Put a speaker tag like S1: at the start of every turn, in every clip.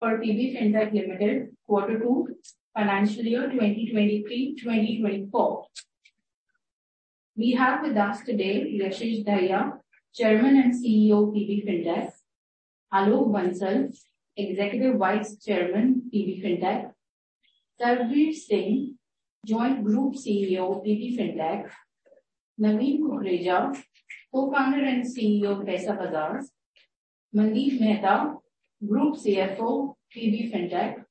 S1: For PB Fintech Limited Quarter 2 Financial Year 2023-2024. We have with us today, Yashish Dahiya, Chairman and CEO, PB Fintech. Alok Bansal, Executive Vice Chairman, PB Fintech. Sarbvir Singh, Joint Group CEO, PB Fintech. Naveen Kukreja, Co-founder and CEO, Paisabazaar. Mandeep Mehta, Group CFO, PB Fintech.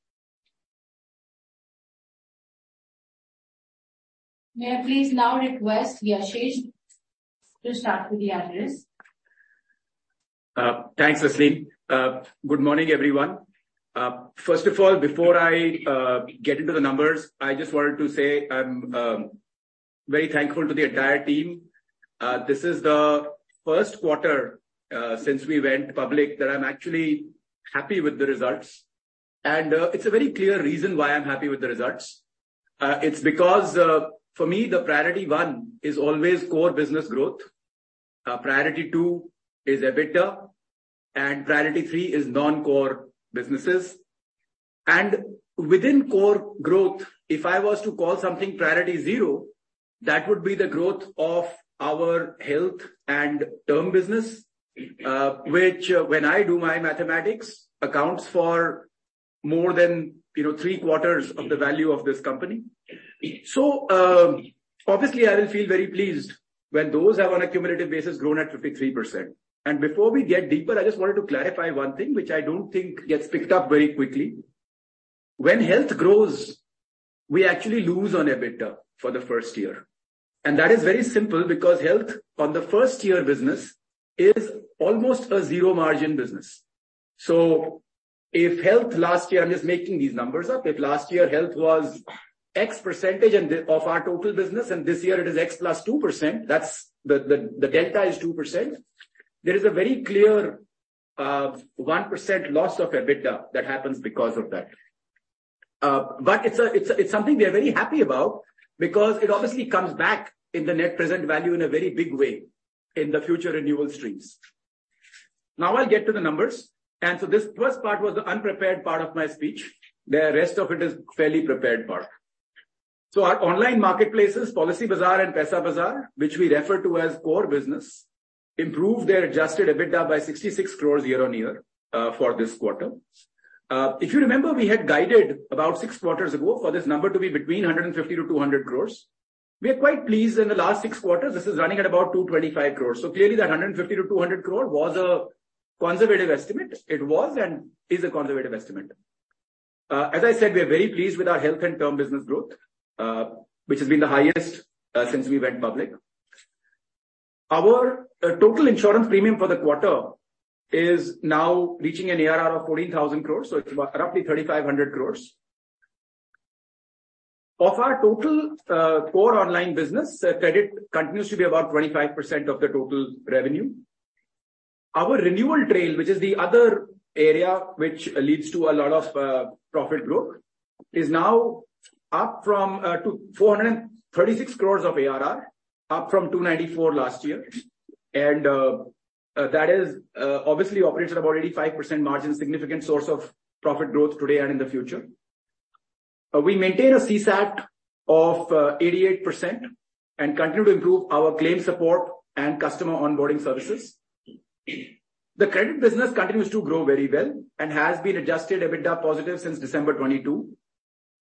S1: May I please now request Yashish to start with the address?
S2: Thanks, Rasleen. Good morning, everyone. First of all, before I get into the numbers, I just wanted to say I'm very thankful to the entire team. This is the first quarter since we went public that I'm actually happy with the results. It's a very clear reason why I'm happy with the results. It's because for me, the priority one is always core business growth. Priority two is EBITDA, and priority three is non-core businesses. Within core growth, if I was to call something priority zero, that would be the growth of our health and term business, which, when I do my mathematics, accounts for more than, you know, three quarters of the value of this company. Obviously, I will feel very pleased when those have, on a cumulative basis, grown at 53%. Before we get deeper, I just wanted to clarify one thing, which I don't think gets picked up very quickly. When health grows, we actually lose on EBITDA for the first year, and that is very simple because health on the first year business is almost a zero margin business. If health last year, I'm just making these numbers up. If last year health was X% and of our total business, and this year it is X + 2%, that's the delta is 2%. There is a very clear 1% loss of EBITDA that happens because of that. But it's something we are very happy about because it obviously comes back in the net present value in a very big way in the future renewal streams. Now I'll get to the numbers. So this first part was the unprepared part of my speech. The rest of it is fairly prepared part. So our online marketplaces, Policybazaar and Paisabazaar, which we refer to as core business, improved their Adjusted EBITDA by 66 crore year-on-year for this quarter. If you remember, we had guided about six quarters ago for this number to be between 150 crore-200 crore. We are quite pleased in the last six quarters, this is running at about 225 crore. So clearly that 150-200 crore was a conservative estimate. It was and is a conservative estimate. As I said, we are very pleased with our health and term business growth, which has been the highest since we went public. Our total insurance premium for the quarter is now reaching an ARR of 14,000 crore, so it's about roughly 3,500 crore. Of our total core online business, credit continues to be about 25% of the total revenue. Our Renewal Trail, which is the other area which leads to a lot of profit growth, is now up from 436 crore of ARR, up from 294 crore last year. And that is obviously operates at about 85% margin, significant source of profit growth today and in the future. We maintain a CSAT of 88% and continue to improve our claim support and customer onboarding services. The credit business continues to grow very well and has been Adjusted EBITDA positive since December 2022.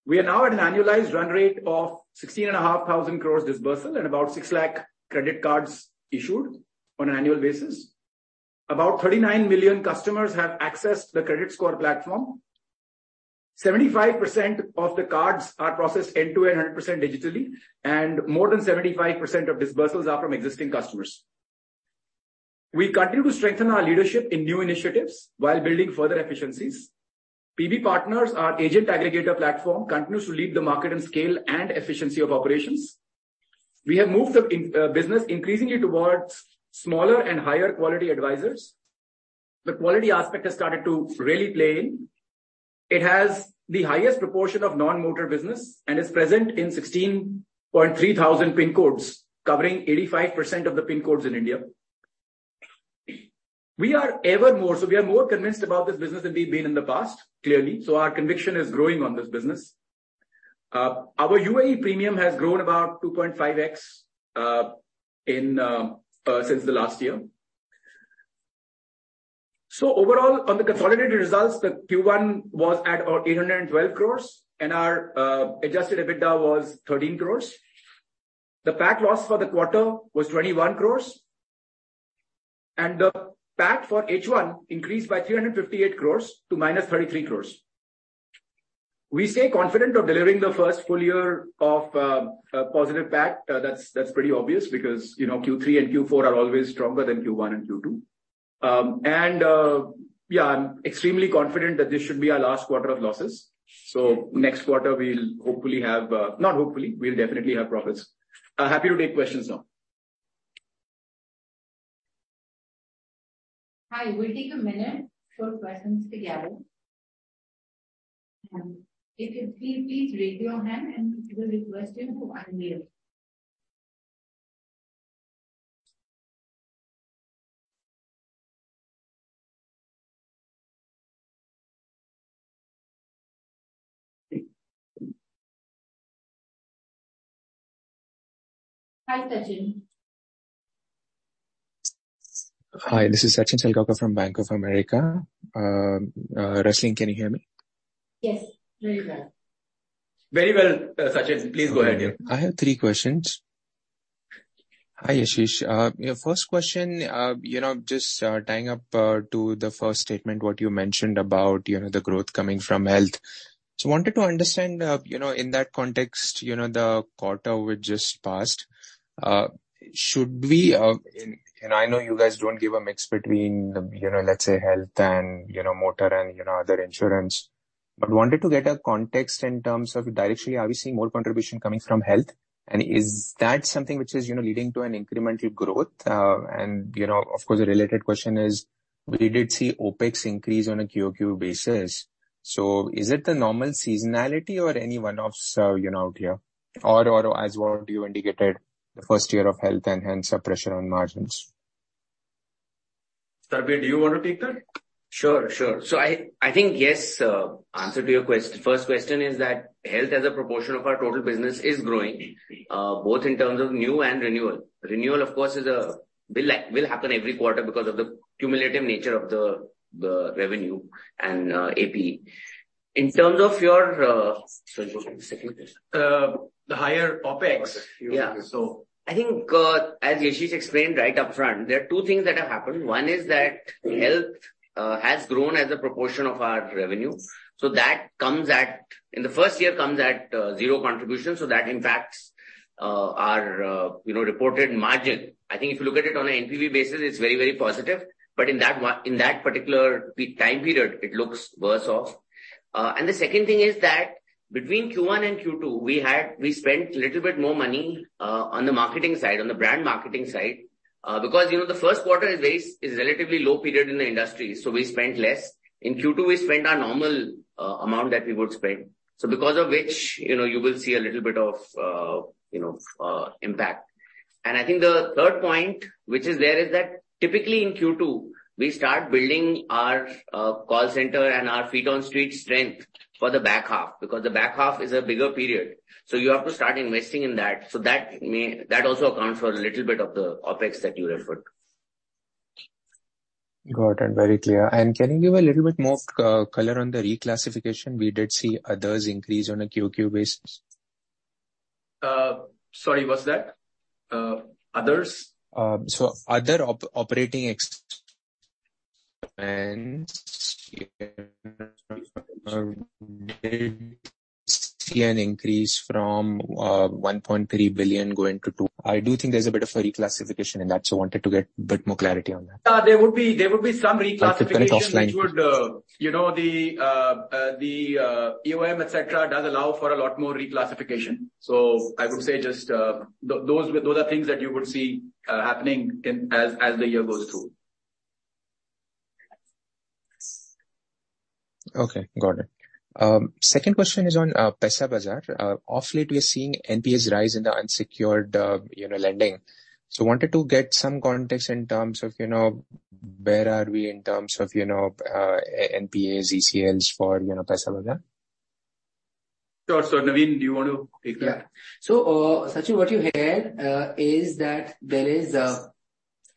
S2: We are now at an annualized run rate of 16,500 crore disbursement and about 600,000 credit cards issued on an annual basis. About 39 million customers have accessed the credit score platform. 75% of the cards are processed end-to-end, 100% digitally, and more than 75% of disbursements are from existing customers. We continue to strengthen our leadership in new initiatives while building further efficiencies. PB Partners, our agent aggregator platform, continues to lead the market in scale and efficiency of operations. We have moved the business increasingly towards smaller and higher quality advisors. The quality aspect has started to really play in. It has the highest proportion of non-motor business and is present in 16.3 thousand pin codes, covering 85% of the pin codes in India. We are ever more, so we are more convinced about this business than we've been in the past, clearly, so our conviction is growing on this business. Our UAE premium has grown about 2.5x in since the last year. So overall, on the consolidated results, the Q1 was at 812 crores, and our Adjusted EBITDA was 13 crores. The PAT loss for the quarter was 21 crores, and the PAT for H1 increased by 358 crores to -33 crores. We stay confident of delivering the first full year of a positive PAT. That's pretty obvious because, you know, Q3 and Q4 are always stronger than Q1 and Q2. And yeah, I'm extremely confident that this should be our last quarter of losses. So next quarter, we'll hopefully have... not hopefully, we'll definitely have profits. I'm happy to take questions now.
S1: Hi, we'll take a minute for questions to gather. If you please raise your hand and we will request you to unmute.... Hi, Sachin.
S3: Hi, this is Sachin Salgaonkar from Bank of America. Rasleen, can you hear me?
S1: Yes, very well.
S2: Very well, Sachin, please go ahead, yeah.
S3: I have three questions. Hi, Yashish. Your first question, you know, just tying up to the first statement, what you mentioned about, you know, the growth coming from health. So I wanted to understand, you know, in that context, you know, the quarter we just passed, should we... And I know you guys don't give a mix between the, you know, let's say health and, you know, motor and, you know, other insurance. But wanted to get a context in terms of directionally, are we seeing more contribution coming from health? And is that something which is, you know, leading to an incremental growth? And, you know, of course, a related question is: we did see OpEx increase on a QOQ basis, so is it the normal seasonality or any one-offs, you know, out here? Or, as what you indicated, the first year of health and hence a pressure on margins.
S2: Sarbvir, do you want to take that?
S4: Sure, sure. So I think, yes, answer to your first question is that health as a proportion of our total business is growing, both in terms of new and renewal. Renewal, of course, will happen every quarter because of the cumulative nature of the revenue and ARR. In terms of your, sorry, what was the second question?
S2: The higher OpEx.
S4: Yeah.
S2: So.
S4: I think, as Yashish explained right up front, there are two things that have happened. One is that health has grown as a proportion of our revenue, so that comes at... In the first year, comes at zero contribution, so that impacts our you know reported margin. I think if you look at it on an NPV basis, it's very, very positive. But in that particular time period, it looks worse off. And the second thing is that between Q1 and Q2, we spent little bit more money on the marketing side, on the brand marketing side. Because, you know, the first quarter is relatively low period in the industry, so we spent less. In Q2, we spent our normal amount that we would spend. So because of which, you know, you will see a little bit of, you know, impact. And I think the third point, which is there, is that typically in Q2, we start building our call center and our feet on street strength for the back half, because the back half is a bigger period. So you have to start investing in that. So that may... That also accounts for a little bit of the OpEx that you referred.
S3: Got it. Very clear. And can you give a little bit more color on the reclassification? We did see others increase on a QOQ basis.
S2: Sorry, what's that? Others?
S3: So other operating expenses and did see an increase from 1.3 billion to 2 billion. I do think there's a bit of a reclassification in that, so I wanted to get a bit more clarity on that.
S2: There would be some reclassification-
S3: Like, different offline.
S2: which would, you know, the EOM, et cetera, does allow for a lot more reclassification. So I would say just those are things that you would see happening in as the year goes through.
S3: Okay, got it. Second question is on Paisabazaar. Of late, we are seeing NPAs rise in the unsecured, you know, lending. So wanted to get some context in terms of, you know, where are we in terms of, you know, NPAs, ACLs for, you know, Paisabazaar?
S2: Sure. So, Naveen, do you want to take that?
S5: Yeah. So, Sachin, what you heard is that there is a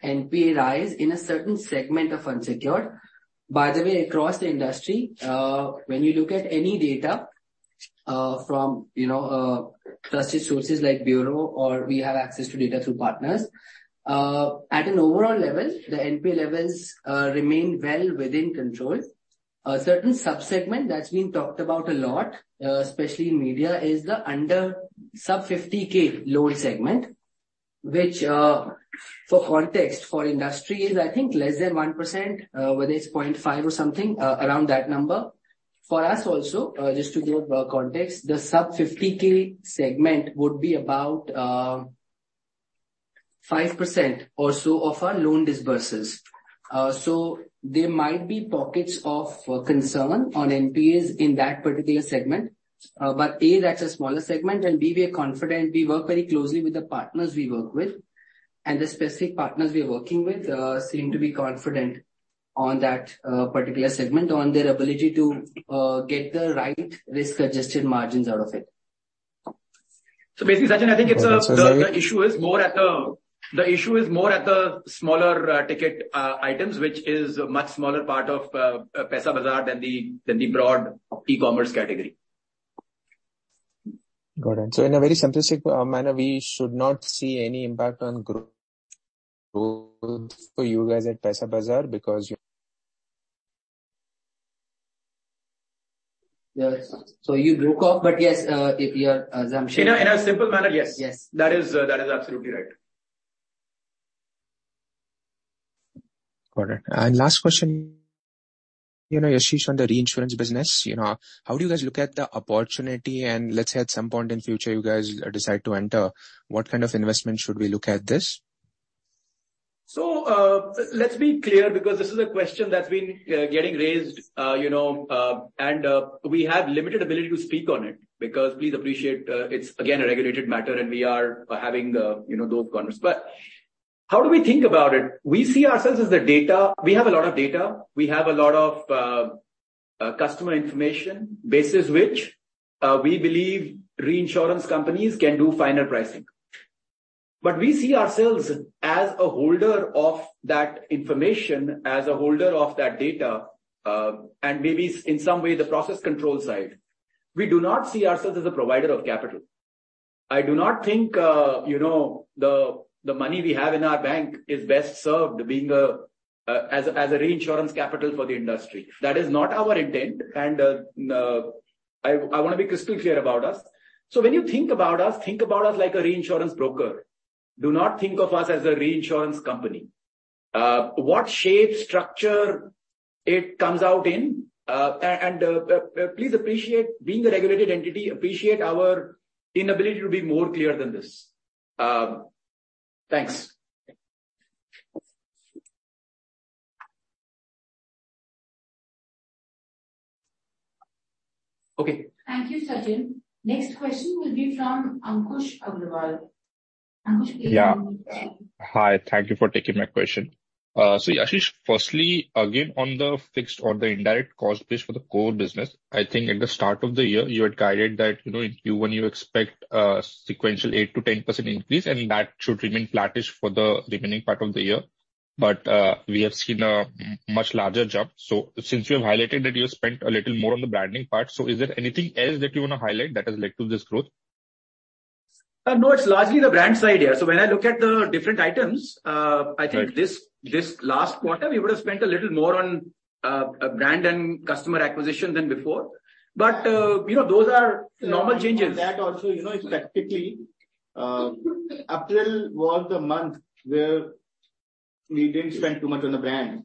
S5: NPA rise in a certain segment of unsecured. By the way, across the industry, when you look at any data from, you know, trusted sources like Bureau or we have access to data through partners, at an overall level, the NPA levels remain well within control. A certain sub-segment that's been talked about a lot, especially in media, is the unsecured sub-50K loan segment, which, for context for industry is, I think, less than 1%, whether it's 0.5 or something, around that number. For us also, just to give context, the sub-50K segment would be about 5% or so of our loan disbursals. So there might be pockets of concern on NPAs in that particular segment. But, A, that's a smaller segment, and, B, we are confident. We work very closely with the partners we work with, and the specific partners we are working with seem to be confident on that particular segment, on their ability to get the right risk-adjusted margins out of it.
S2: Basically, Sachin, I think it's a-
S3: Okay.
S2: The issue is more at the smaller ticket items, which is a much smaller part of Paisabazaar than the broad e-commerce category.
S3: Got it. So in a very simplistic, manner, we should not see any impact on growth for you guys at Paisabazaar because you-
S5: Yes. So you broke off, but yes, your assumption-
S2: In a simple manner, yes.
S5: Yes.
S2: That is, that is absolutely right.
S3: Got it. And last question, you know, Yashish, on the reinsurance business. You know, how do you guys look at the opportunity? And let's say at some point in future you guys decide to enter, what kind of investment should we look at this?
S2: So, let's be clear, because this is a question that's been getting raised, you know, and we have limited ability to speak on it. Because please appreciate, it's again a regulated matter, and we are having the, you know, those conversations. But how do we think about it? We see ourselves as the data. We have a lot of data. We have a lot of customer information, basis which we believe reinsurance companies can do finer pricing. But we see ourselves as a holder of that information, as a holder of that data, and maybe in some way, the process control side. We do not see ourselves as a provider of capital. I do not think, you know, the money we have in our bank is best served being as a reinsurance capital for the industry. That is not our intent, and I wanna be crystal clear about us. So when you think about us, think about us like a reinsurance broker. Do not think of us as a reinsurance company. What shape, structure it comes out in, and please appreciate being a regulated entity, appreciate our inability to be more clear than this. Thanks. Okay.
S1: Thank you, Sachin. Next question will be from Ankush Agarwal. Ankush, please-
S6: Yeah. Hi, thank you for taking my question. So Yashish, firstly, again, on the fixed or the indirect cost base for the core business, I think at the start of the year, you had guided that, you know, you, when you expect a sequential 8%-10% increase, and that should remain flattish for the remaining part of the year. But, we have seen a much larger jump. So since you have highlighted that you spent a little more on the branding part, so is there anything else that you wanna highlight that has led to this growth?
S2: No, it's largely the brand side, yeah. So when I look at the different items,
S6: Right.
S2: I think this last quarter, we would have spent a little more on brand and customer acquisition than before. But, you know, those are normal changes. That also, you know, effectively, April was the month where we didn't spend too much on the brand.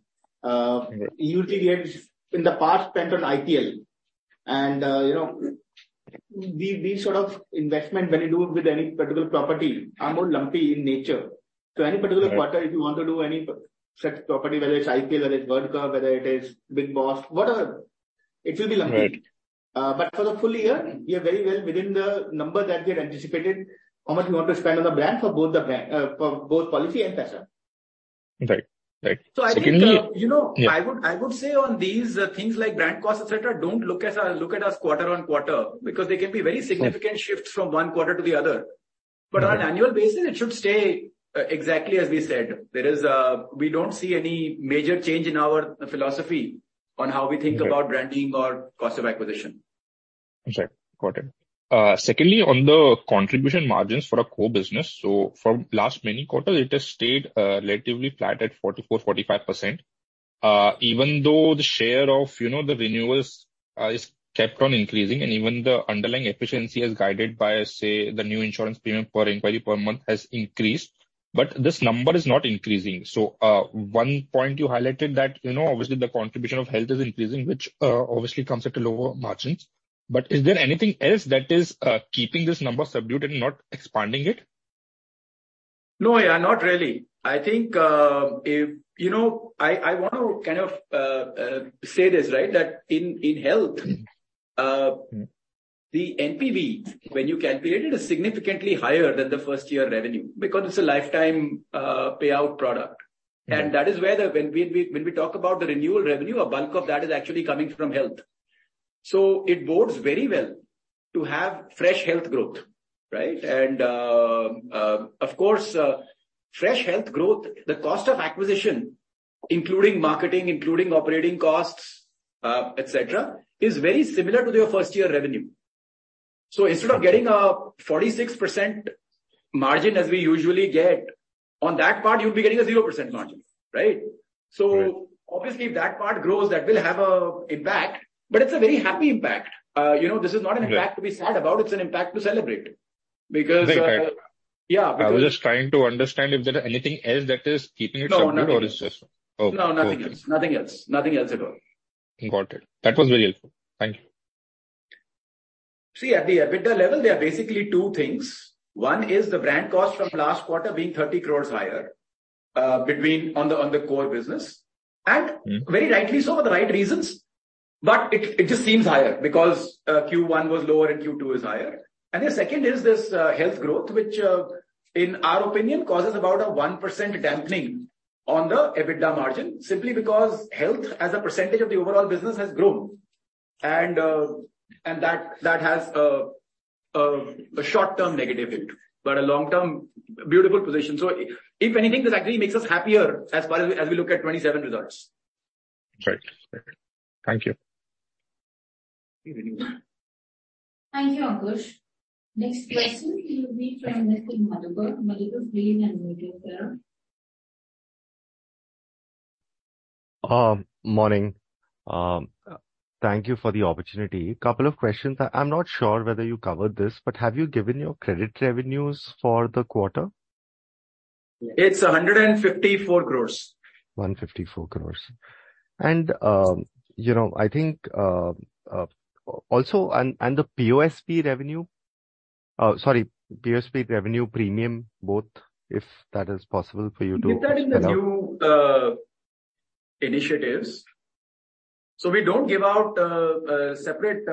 S2: Usually we have, in the past, spent on IPL. And, you know, these sort of investment, when you do it with any particular property, are more lumpy in nature.
S6: Right.
S2: Any particular quarter, if you want to do any such property, whether it's IPL, whether it's World Cup, whether it is Bigg Boss, whatever, it will be lumpy.
S6: Right.
S2: But for the full year, we are very well within the number that we had anticipated, how much we want to spend on the brand for both the brand, for both Policy and Paisa.
S6: Right. Right.
S2: I think, you know-
S6: Yeah.
S2: I would, I would say on these things like brand costs, et cetera, don't look at us, look at us quarter-on-quarter, because they can be very significant-
S6: Right...
S2: shifts from one quarter to the other.
S6: Right.
S2: But on an annual basis, it should stay exactly as we said. There is... We don't see any major change in our philosophy on how we think-
S6: Right
S2: - about branding or cost of acquisition.
S6: Okay. Got it. Secondly, on the contribution margins for the core business, so from last many quarters, it has stayed relatively flat at 44%-45%. Even though the share of, you know, the renewals is kept on increasing, and even the underlying efficiency as guided by, say, the new insurance premium per inquiry per month has increased, but this number is not increasing. So, one point you highlighted that, you know, obviously, the contribution of health is increasing, which obviously comes at a lower margins. But is there anything else that is keeping this number subdued and not expanding it?
S2: No, yeah, not really. I think, if, you know, I want to kind of say this, right, that in health-
S6: Mm-hmm...
S2: the NPV, when you calculate it, is significantly higher than the first-year revenue because it's a lifetime, payout product.
S6: Mm-hmm.
S2: And that is where, when we talk about the renewal revenue, a bulk of that is actually coming from health. So it bodes very well to have fresh health growth, right? And, of course, fresh health growth, the cost of acquisition, including marketing, including operating costs, et cetera, is very similar to your first-year revenue.
S6: Right.
S2: So instead of getting a 46% margin, as we usually get, on that part, you'll be getting a 0% margin, right?
S6: Right.
S2: So obviously, if that part grows, that will have an impact, but it's a very happy impact. You know, this is not an impact-
S6: Right...
S2: to be sad about, it's an impact to celebrate. Because,
S6: Right.
S2: Yeah, because-
S6: I was just trying to understand if there is anything else that is keeping it subdued?
S2: No, nothing.
S6: Or it's just... Okay.
S2: No, nothing else.
S6: Cool.
S2: Nothing else. Nothing else at all.
S6: Got it. That was very helpful. Thank you.
S2: See, at the EBITDA level, there are basically two things. One is the brand cost from last quarter being 30 crores higher on the core business.
S6: Mm-hmm...
S2: and very rightly so, for the right reasons, but it, it just seems higher because Q1 was lower and Q2 is higher. And the second is this health growth, which in our opinion, causes about a 1% dampening on the EBITDA margin, simply because health, as a percentage of the overall business, has grown. And and that, that has a a short-term negative impact, but a long-term, beautiful position. So if anything, this actually makes us happier as far as, as we look at 2027 results.
S6: Right. Right. Thank you.
S2: Thank you.
S1: Thank you, Ankush. Next question will be from Nitin Agarwal. Nitin is from Edelweiss.
S7: Morning. Thank you for the opportunity. Couple of questions. I, I'm not sure whether you covered this, but have you given your credit revenues for the quarter?
S2: It's 154 crore.
S7: 154 crore. And, you know, I think, also, the POSP revenue premium both, if that is possible for you to,
S2: We did that in the new initiatives. So we don't give out separate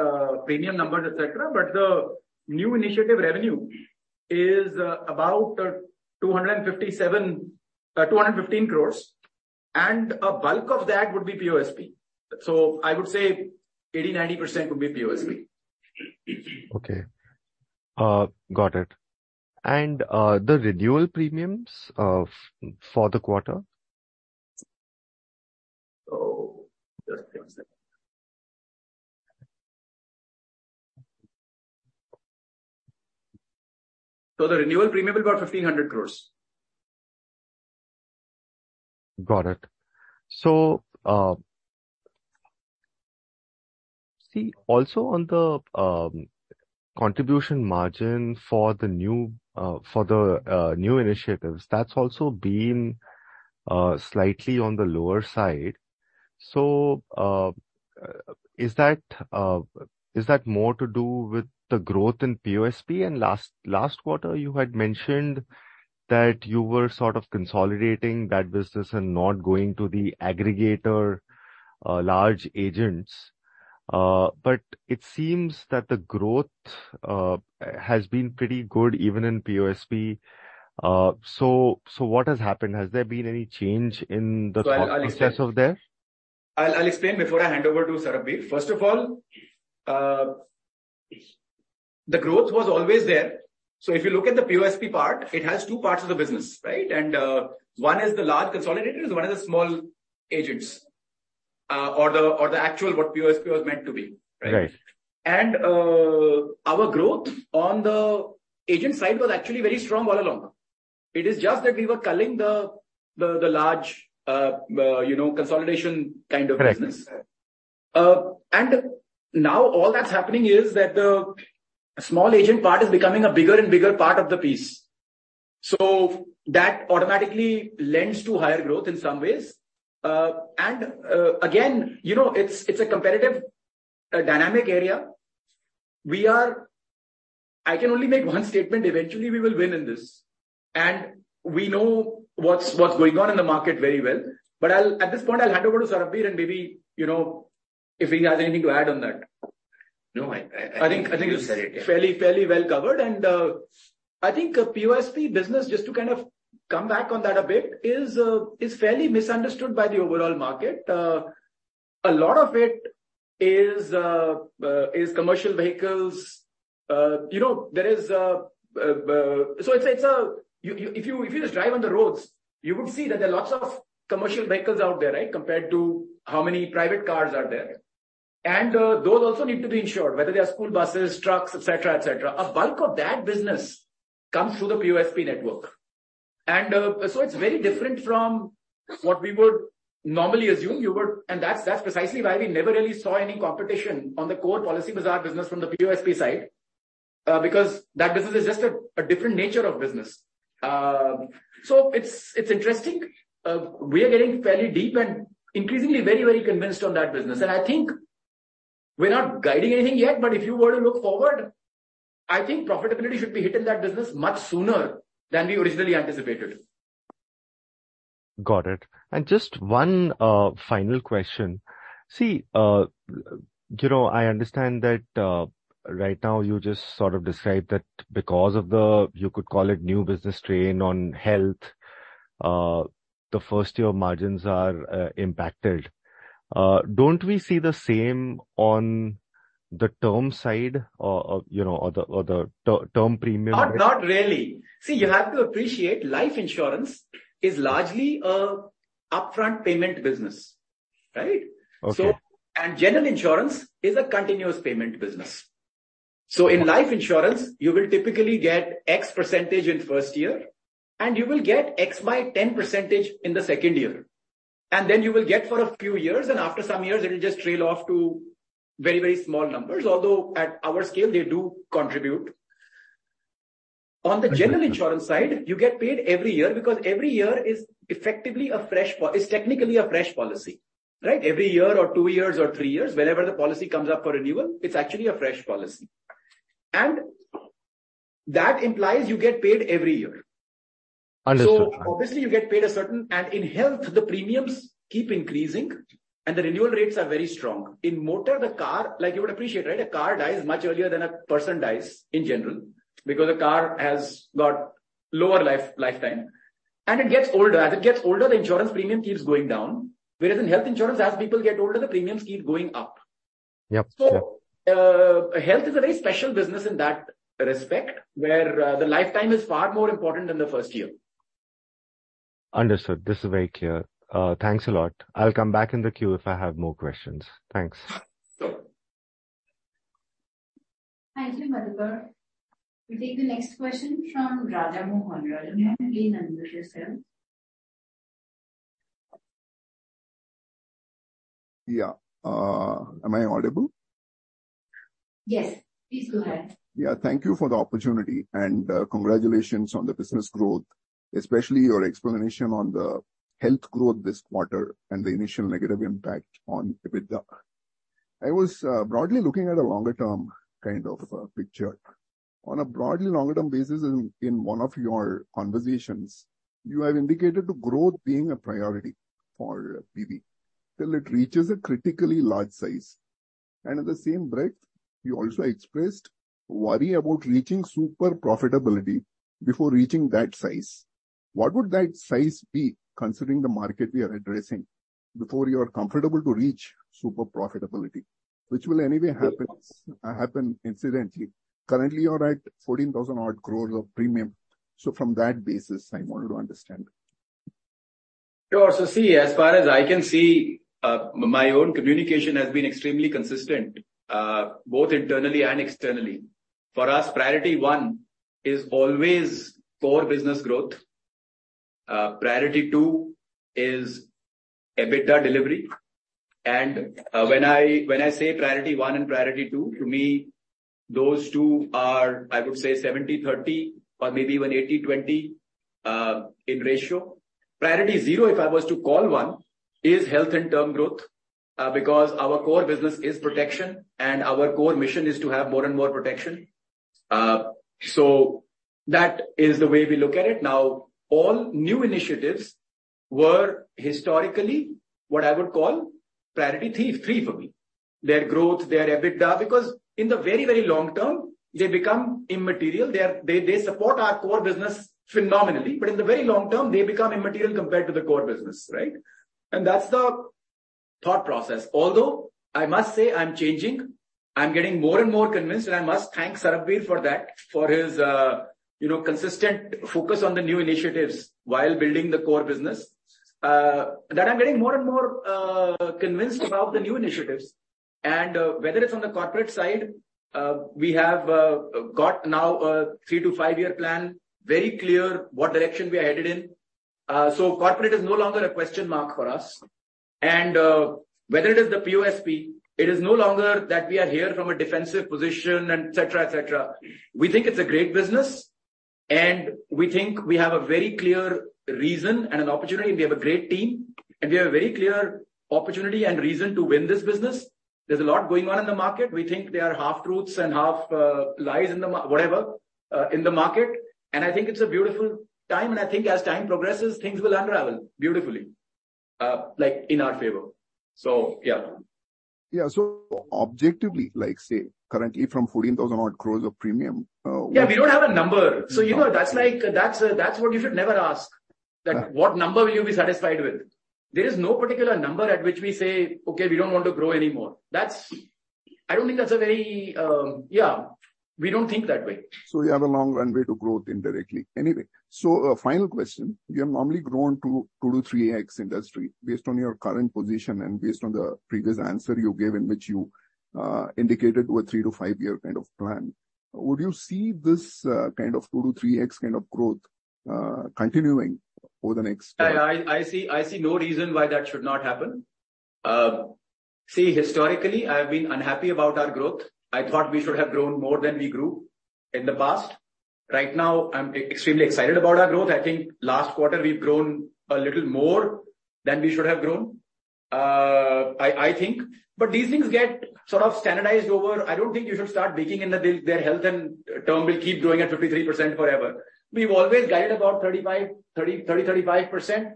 S2: premium numbers, et cetera, but the new initiative revenue is about 215 crore, and a bulk of that would be POSP. So I would say 80%-90% would be POSP.
S7: Okay. Got it. And, the renewal premiums, for the quarter?
S2: Just one second. The renewal premium is about 1,500 crore.
S7: Got it. So, see also on the contribution margin for the new initiatives, that's also been slightly on the lower side. So, is that more to do with the growth in POSP? And last quarter, you had mentioned that you were sort of consolidating that business and not going to the aggregator large agents. So, what has happened? Has there been any change in the process of there?
S2: I'll explain before I hand over to Sarbvir. First of all, the growth was always there. So if you look at the POSP part, it has two parts of the business, right? And one is the large consolidators, one are the small agents, or the actual what POSP was meant to be. Right?
S7: Right.
S2: And, our growth on the agent side was actually very strong all along. It is just that we were culling the large, you know, consolidation kind of business.
S7: Right.
S2: And now all that's happening is that the small agent part is becoming a bigger and bigger part of the piece. So that automatically lends to higher growth in some ways. And again, you know, it's, it's a competitive dynamic area. We are—I can only make one statement, eventually, we will win in this, and we know what's, what's going on in the market very well. But I'll—at this point I'll hand over to Sarbvir, and maybe, you know, if he has anything to add on that.
S4: No, I think-
S2: I think it's fairly well covered. And I think the POSP business, just to kind of come back on that a bit, is fairly misunderstood by the overall market. A lot of it is commercial vehicles. You know, there are lots of commercial vehicles out there, right, compared to how many private cars there are. And those also need to be insured, whether they are school buses, trucks, et cetera. A bulk of that business comes through the POSP network. So it's very different from what we would normally assume. And that's precisely why we never really saw any competition on the core Policybazaar business from the POSP side, because that business is just a different nature of business. So it's interesting. We are getting fairly deep and increasingly very, very convinced on that business. And I think we're not guiding anything yet, but if you were to look forward, I think profitability should be hit in that business much sooner than we originally anticipated.
S7: Got it. And just one final question. See, you know, I understand that right now you just sort of described that because of the, you could call it, new business strain on health, the first year margins are impacted. Don't we see the same on the term side or you know, or the term premium?
S2: Not, not really. See, you have to appreciate, life insurance is largely a upfront payment business, right?
S7: Okay.
S2: General insurance is a continuous payment business. In life insurance, you will typically get X% in first year, and you will get X by 10% in the second year, and then you will get for a few years, and after some years, it'll just trail off to very, very small numbers, although at our scale, they do contribute.
S7: Okay.
S2: On the general insurance side, you get paid every year, because every year is effectively a fresh is technically a fresh policy, right? Every year or two years or three years, whenever the policy comes up for renewal, it's actually a fresh policy. And that implies you get paid every year.
S7: Understood.
S2: So obviously, you get paid a certain... In health, the premiums keep increasing and the renewal rates are very strong. In motor, the car, like you would appreciate, right, a car dies much earlier than a person dies in general, because a car has got lower life, lifetime, and it gets older. As it gets older, the insurance premium keeps going down, whereas in health insurance, as people get older, the premiums keep going up.
S7: Yep. Yep.
S2: Health is a very special business in that respect, where the lifetime is far more important than the first year.
S7: Understood. This is very clear. Thanks a lot. I'll come back in the queue if I have more questions. Thanks.
S1: Thank you, Madhukar. We take the next question from Rajamohan. Rajamohan, please introduce yourself.
S8: Yeah. Am I audible?
S1: Yes, please go ahead.
S8: Yeah, thank you for the opportunity, and, congratulations on the business growth, especially your explanation on the health growth this quarter and the initial negative impact on EBITDA. I was broadly looking at a longer term kind of picture. On a broadly longer term basis, in one of your conversations, you have indicated the growth being a priority for PB till it reaches a critically large size. And at the same breath, you also expressed worry about reaching super profitability before reaching that size. What would that size be, considering the market we are addressing, before you are comfortable to reach super profitability, which will anyway happen incidentally? Currently, you're at 14,000-odd crore of premium, so from that basis I wanted to understand.
S2: Sure. So see, as far as I can see, my own communication has been extremely consistent, both internally and externally. For us, priority one is always core business growth. Priority two is EBITDA delivery. When I, when I say priority one and priority two, to me, those two are, I would say, 70/30 or maybe even 80/20 in ratio. Priority zero, if I was to call one, is health and term growth, because our core business is protection and our core mission is to have more and more protection. So that is the way we look at it. Now, all new initiatives were historically what I would call priority three, three for me. Their growth, their EBITDA, because in the very, very long term, they become immaterial. They support our core business phenomenally, but in the very long term, they become immaterial compared to the core business, right? And that's the thought process. Although, I must say I'm changing. I'm getting more and more convinced, and I must thank Sarbvir for that, for his, you know, consistent focus on the new initiatives while building the core business. That I'm getting more and more convinced about the new initiatives. And whether it's on the corporate side, we have got now a 3-5-year plan, very clear what direction we are headed in. So corporate is no longer a question mark for us. And whether it is the POSP, it is no longer that we are here from a defensive position, et cetera, et cetera. We think it's a great business, and we think we have a very clear reason and an opportunity, and we have a great team, and we have a very clear opportunity and reason to win this business. There's a lot going on in the market. We think there are half truths and half lies in the market, whatever, in the market, and I think it's a beautiful time, and I think as time progresses, things will unravel beautifully, like, in our favor. So, yeah.
S8: Yeah. So objectively, like, say, currently from 14,000-odd crore of premium,
S2: Yeah, we don't have a number. So, you know, that's like, that's what you should never ask.
S8: Yeah.
S2: At what number will you be satisfied with? There is no particular number at which we say, "Okay, we don't want to grow anymore." That's... I don't think that's a very... Yeah, we don't think that way.
S8: So you have a long runway to growth indirectly. Anyway, so, final question: You have normally grown to 2- to 3x industry. Based on your current position and based on the previous answer you gave, in which you indicated a 3- to 5-year kind of plan, would you see this kind of 2- to 3x kind of growth continuing over the next year?
S2: I see no reason why that should not happen. See, historically, I have been unhappy about our growth. I thought we should have grown more than we grew in the past. Right now, I'm extremely excited about our growth. I think last quarter we've grown a little more than we should have grown, I think. But these things get sort of standardized over. I don't think you should start baking in that their health and term will keep growing at 53% forever. We've always guided about 35, 30, 30-35%,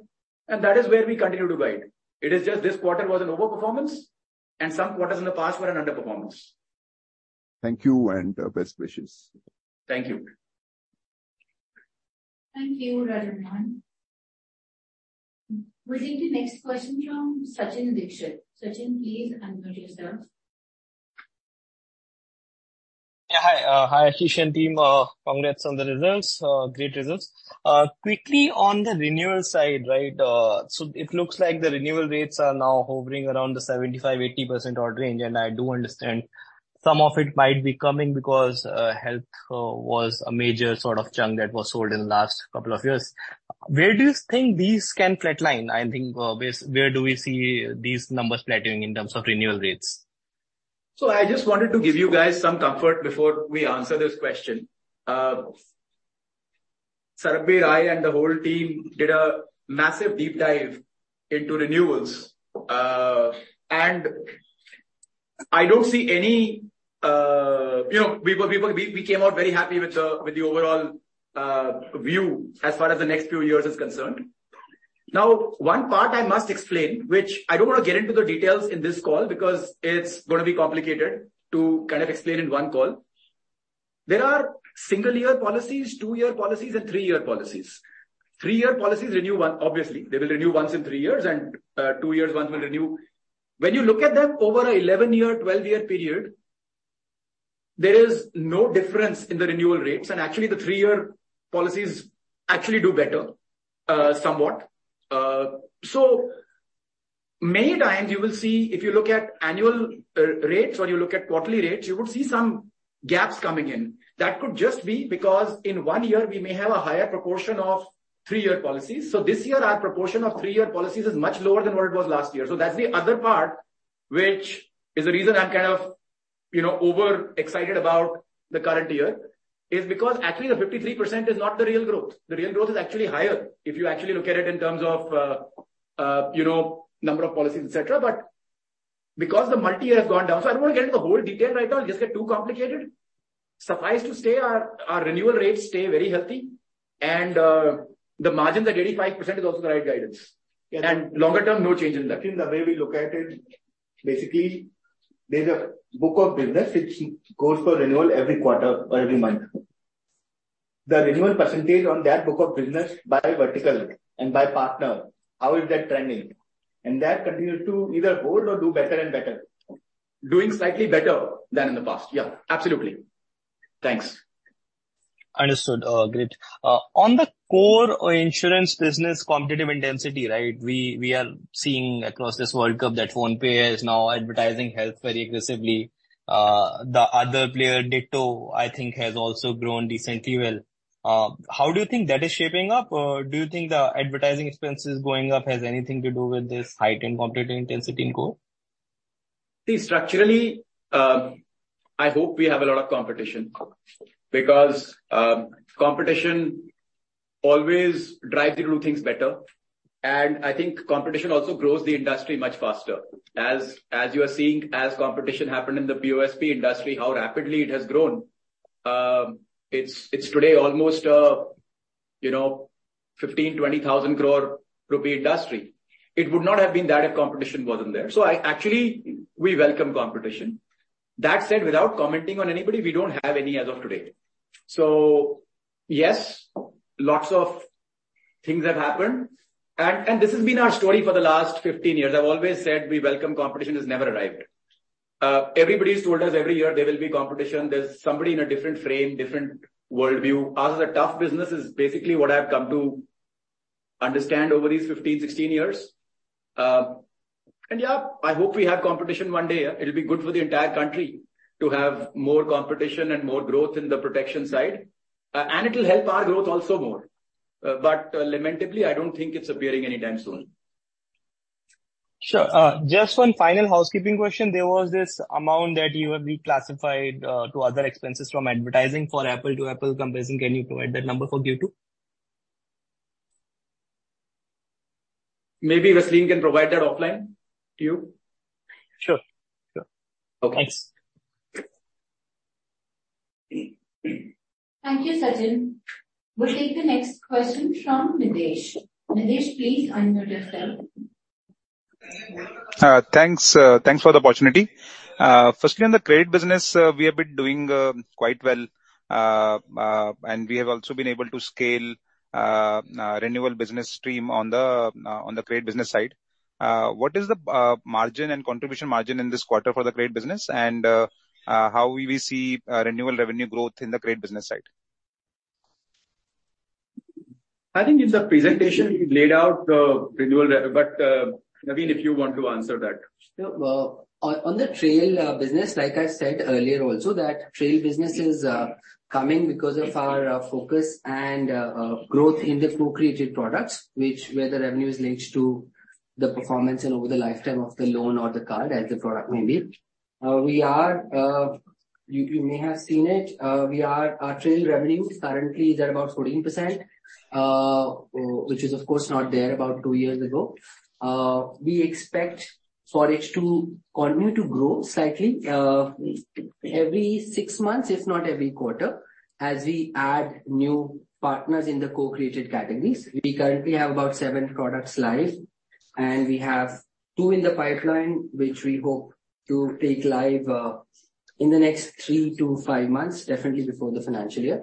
S2: and that is where we continue to guide. It is just this quarter was an overperformance, and some quarters in the past were an underperformance.
S8: Thank you, and best wishes.
S2: Thank you.
S1: Thank you, Rajamohan. We'll take the next question from Sachin Dixit. Sachin, please unmute yourself.
S9: Yeah, hi. Hi, Yashish and team. Congrats on the results, great results. Quickly on the renewal side, right, so it looks like the renewal rates are now hovering around the 75%-80% range, and I do understand some of it might be coming because health was a major sort of chunk that was sold in the last couple of years. Where do you think these can flatline? I think, where, where do we see these numbers flattening in terms of renewal rates?
S2: So I just wanted to give you guys some comfort before we answer this question. Sarbvir, I, and the whole team did a massive deep dive into renewals, and I don't see any. You know, we came out very happy with the overall view as far as the next few years is concerned. Now, one part I must explain, which I don't want to get into the details in this call, because it's gonna be complicated to kind of explain in one call. There are 1-year policies, 2-year policies, and 3-year policies. 3-year policies renew one, obviously, they will renew once in 3 years and, 2 years, once will renew. When you look at them over an 11-year, 12-year period, there is no difference in the renewal rates, and actually the 3-year policies actually do better, somewhat. So many times you will see if you look at annual rates or you look at quarterly rates, you will see some gaps coming in. That could just be because in one year we may have a higher proportion of 3-year policies. So this year, our proportion of 3-year policies is much lower than what it was last year. So that's the other part, which is the reason I'm kind of, you know, overexcited about the current year is because actually the 53% is not the real growth. The real growth is actually higher if you actually look at it in terms of, you know, number of policies, et cetera. But because the multi-year has gone down, so I don't want to get into the whole detail right now, it'll just get too complicated. Suffice to say, our, our renewal rates stay very healthy, and, the margins at 85% is also the right guidance. And longer term, no change in that. I think the way we look at it, basically, there's a book of business which goes for renewal every quarter or every month. The renewal percentage on that book of business by vertical and by partner, how is that trending? And that continues to either hold or do better and better. Doing slightly better than in the past. Yeah, absolutely. Thanks.
S9: Understood. Great. On the core insurance business, competitive intensity, right? We are seeing across this World Cup that PhonePe is now advertising health very aggressively. The other player, Ditto, I think, has also grown decently well. How do you think that is shaping up? Or do you think the advertising expenses going up has anything to do with this heightened competitive intensity in core?
S2: See, structurally, I hope we have a lot of competition, because competition always drives you to do things better. And I think competition also grows the industry much faster. As you are seeing, as competition happened in the POSP industry, how rapidly it has grown. It's today almost, you know, 15,000-20,000 crore rupee industry. It would not have been that if competition wasn't there. So, actually, we welcome competition. That said, without commenting on anybody, we don't have any as of today. So yes, lots of things have happened, and this has been our story for the last 15 years. I've always said we welcome competition, it's never arrived yet. Everybody's told us every year there will be competition. There's somebody in a different frame, different worldview. Ours is a tough business, is basically what I've come to understand over these 15, 16 years. And, yeah, I hope we have competition one day. It'll be good for the entire country to have more competition and more growth in the protection side, and it will help our growth also more. But, lamentably, I don't think it's appearing anytime soon.
S9: Sure. Just one final housekeeping question. There was this amount that you have reclassified to other expenses from advertising for apples-to-apples comparison. Can you provide that number for Q2?
S2: Maybe Rasleen can provide that offline to you.
S9: Sure. Sure.
S2: Okay.
S9: Thanks.
S1: Thank you, Sachin. We'll take the next question from Nidhesh. Nidhesh, please unmute yourself.
S10: Thanks, thanks for the opportunity. Firstly, on the credit business, we have been doing quite well. And we have also been able to scale renewal business stream on the credit business side. What is the margin and contribution margin in this quarter for the credit business? And how will we see renewal revenue growth in the credit business side?
S2: I think in the presentation, we laid out the renewal... But, Naveen, if you want to answer that.
S5: Sure. Well, on the trail business, like I said earlier also, that trail business is coming because of our focus and growth in the co-created products, where the revenue is linked to the performance and over the lifetime of the loan or the card as the product may be. You may have seen it; we are, our trail revenue currently is at about 14%, which is, of course, not there about two years ago. We expect for it to continue to grow slightly every 6 months, if not every quarter, as we add new partners in the co-created categories. We currently have about 7 products live, and we have 2 in the pipeline, which we hope to take live in the next 3-5 months, definitely before the financial year.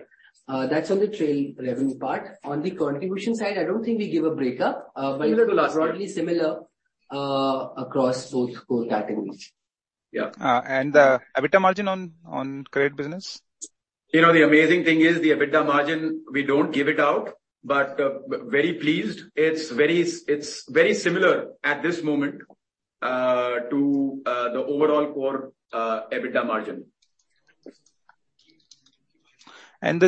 S5: That's on the trail revenue part. On the contribution side, I don't think we give a breakup, but-
S2: Similar to last year.
S5: Broadly similar, across both core categories.
S2: Yeah.
S10: EBITDA margin on credit business?
S2: You know, the amazing thing is the EBITDA margin. We don't give it out, but very pleased. It's very similar at this moment to the overall core EBITDA margin.
S10: What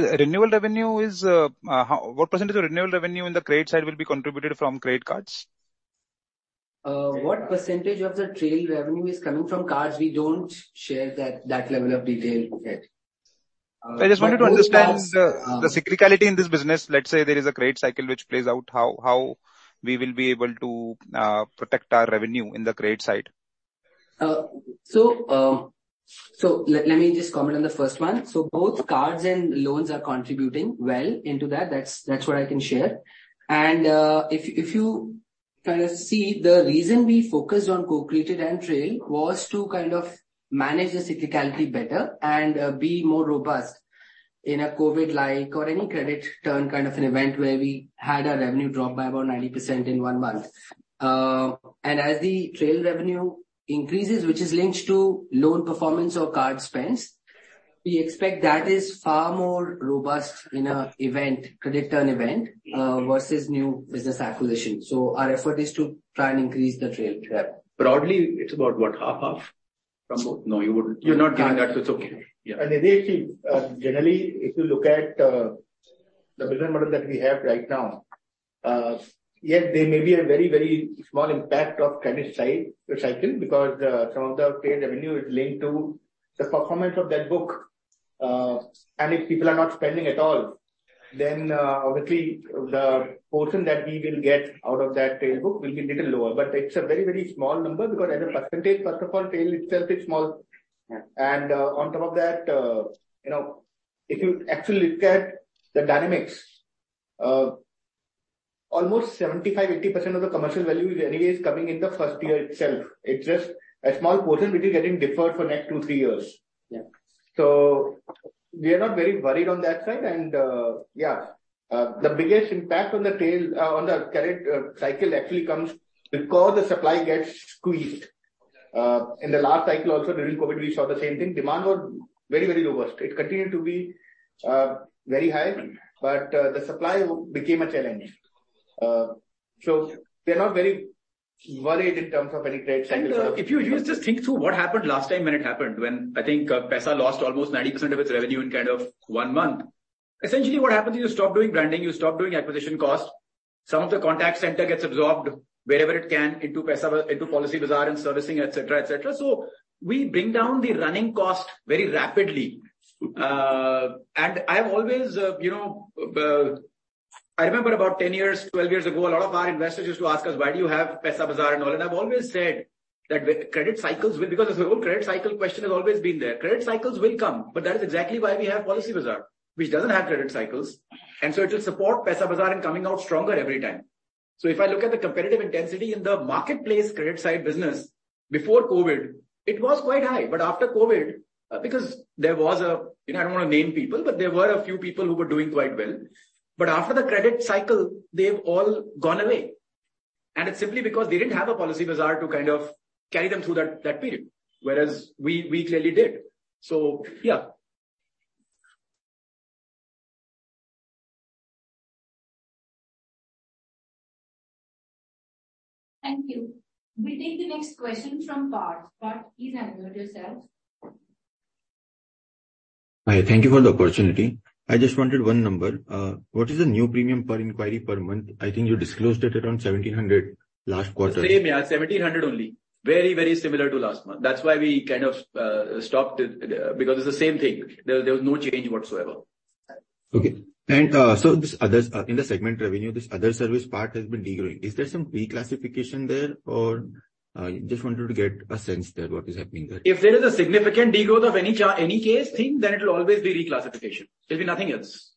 S10: percentage of renewal revenue in the credit side will be contributed from credit cards?
S5: What percentage of the trail revenue is coming from cards? We don't share that, that level of detail yet.
S10: I just wanted to understand the cyclicality in this business. Let's say there is a credit cycle which plays out, how we will be able to protect our revenue in the credit side?
S5: So let me just comment on the first one. So both cards and loans are contributing well into that. That's, that's what I can share. And, if you, if you kind of see, the reason we focused on co-created and trail was to kind of manage the cyclicality better and, be more robust in a COVID-like or any credit turn, kind of an event where we had our revenue drop by about 90% in one month. And as the trail revenue increases, which is linked to loan performance or card spends, we expect that is far more robust in a event, credit turn event, versus new business acquisition. So our effort is to try and increase the trail.
S2: Yeah. Broadly, it's about what? Half, half from both. No, you wouldn't-
S10: You're not giving that, so it's okay. Yeah.
S2: Nidesh, generally, if you look at,... the business model that we have right now, yes, there may be a very, very small impact of credit side recycling because some of the paid revenue is linked to the performance of that book. And if people are not spending at all, then obviously the portion that we will get out of that paid book will be a little lower. But it's a very, very small number because as a percentage, first of all, tail itself is small. And on top of that, you know, if you actually look at the dynamics, almost 75%-80% of the commercial value is anyways coming in the first year itself. It's just a small portion which is getting deferred for next 2-3 years.
S10: Yeah.
S2: So we are not very worried on that side. The biggest impact on the tail, on the current, cycle actually comes because the supply gets squeezed. In the last cycle also during COVID, we saw the same thing. Demand was very, very robust. It continued to be, very high, but, the supply became a challenge. So we are not very worried in terms of any credit cycle. If you just think through what happened last time when it happened, when I think Paisabazaar lost almost 90% of its revenue in kind of one month. Essentially, what happens is you stop doing branding, you stop doing acquisition costs. Some of the contact center gets absorbed wherever it can into Paisabazaar, into Policybazaar, and servicing, et cetera, et cetera. So we bring down the running cost very rapidly. And I've always, you know, I remember about 10 years, 12 years ago, a lot of our investors used to ask us: "Why do you have Paisabazaar and all that?" I've always said that with credit cycles, because the whole credit cycle question has always been there. Credit cycles will come, but that is exactly why we have Policybazaar, which doesn't have credit cycles, and so it will support Paisabazaar in coming out stronger every time. So if I look at the competitive intensity in the marketplace, credit side business, before COVID, it was quite high. But after COVID, because there was a-- I don't want to name people, but there were a few people who were doing quite well. But after the credit cycle, they've all gone away, and it's simply because they didn't have a Policybazaar to kind of carry them through that, that period, whereas we, we clearly did. So, yeah.
S1: Thank you. We take the next question from Parth. Parth, please unmute yourself.
S11: Hi, thank you for the opportunity. I just wanted one number. What is the new premium per inquiry per month? I think you disclosed it around 1,700 last quarter.
S2: The same, yeah, 1,700 only. Very, very similar to last month. That's why we kind of stopped it, because it's the same thing. There, there was no change whatsoever.
S11: Okay. So in the segment revenue, this other service part has been degrowing. Is there some reclassification there, or just wanted to get a sense there, what is happening there?
S2: If there is a significant degrowth of any channel, any case, anything, then it will always be reclassification. There'll be nothing else.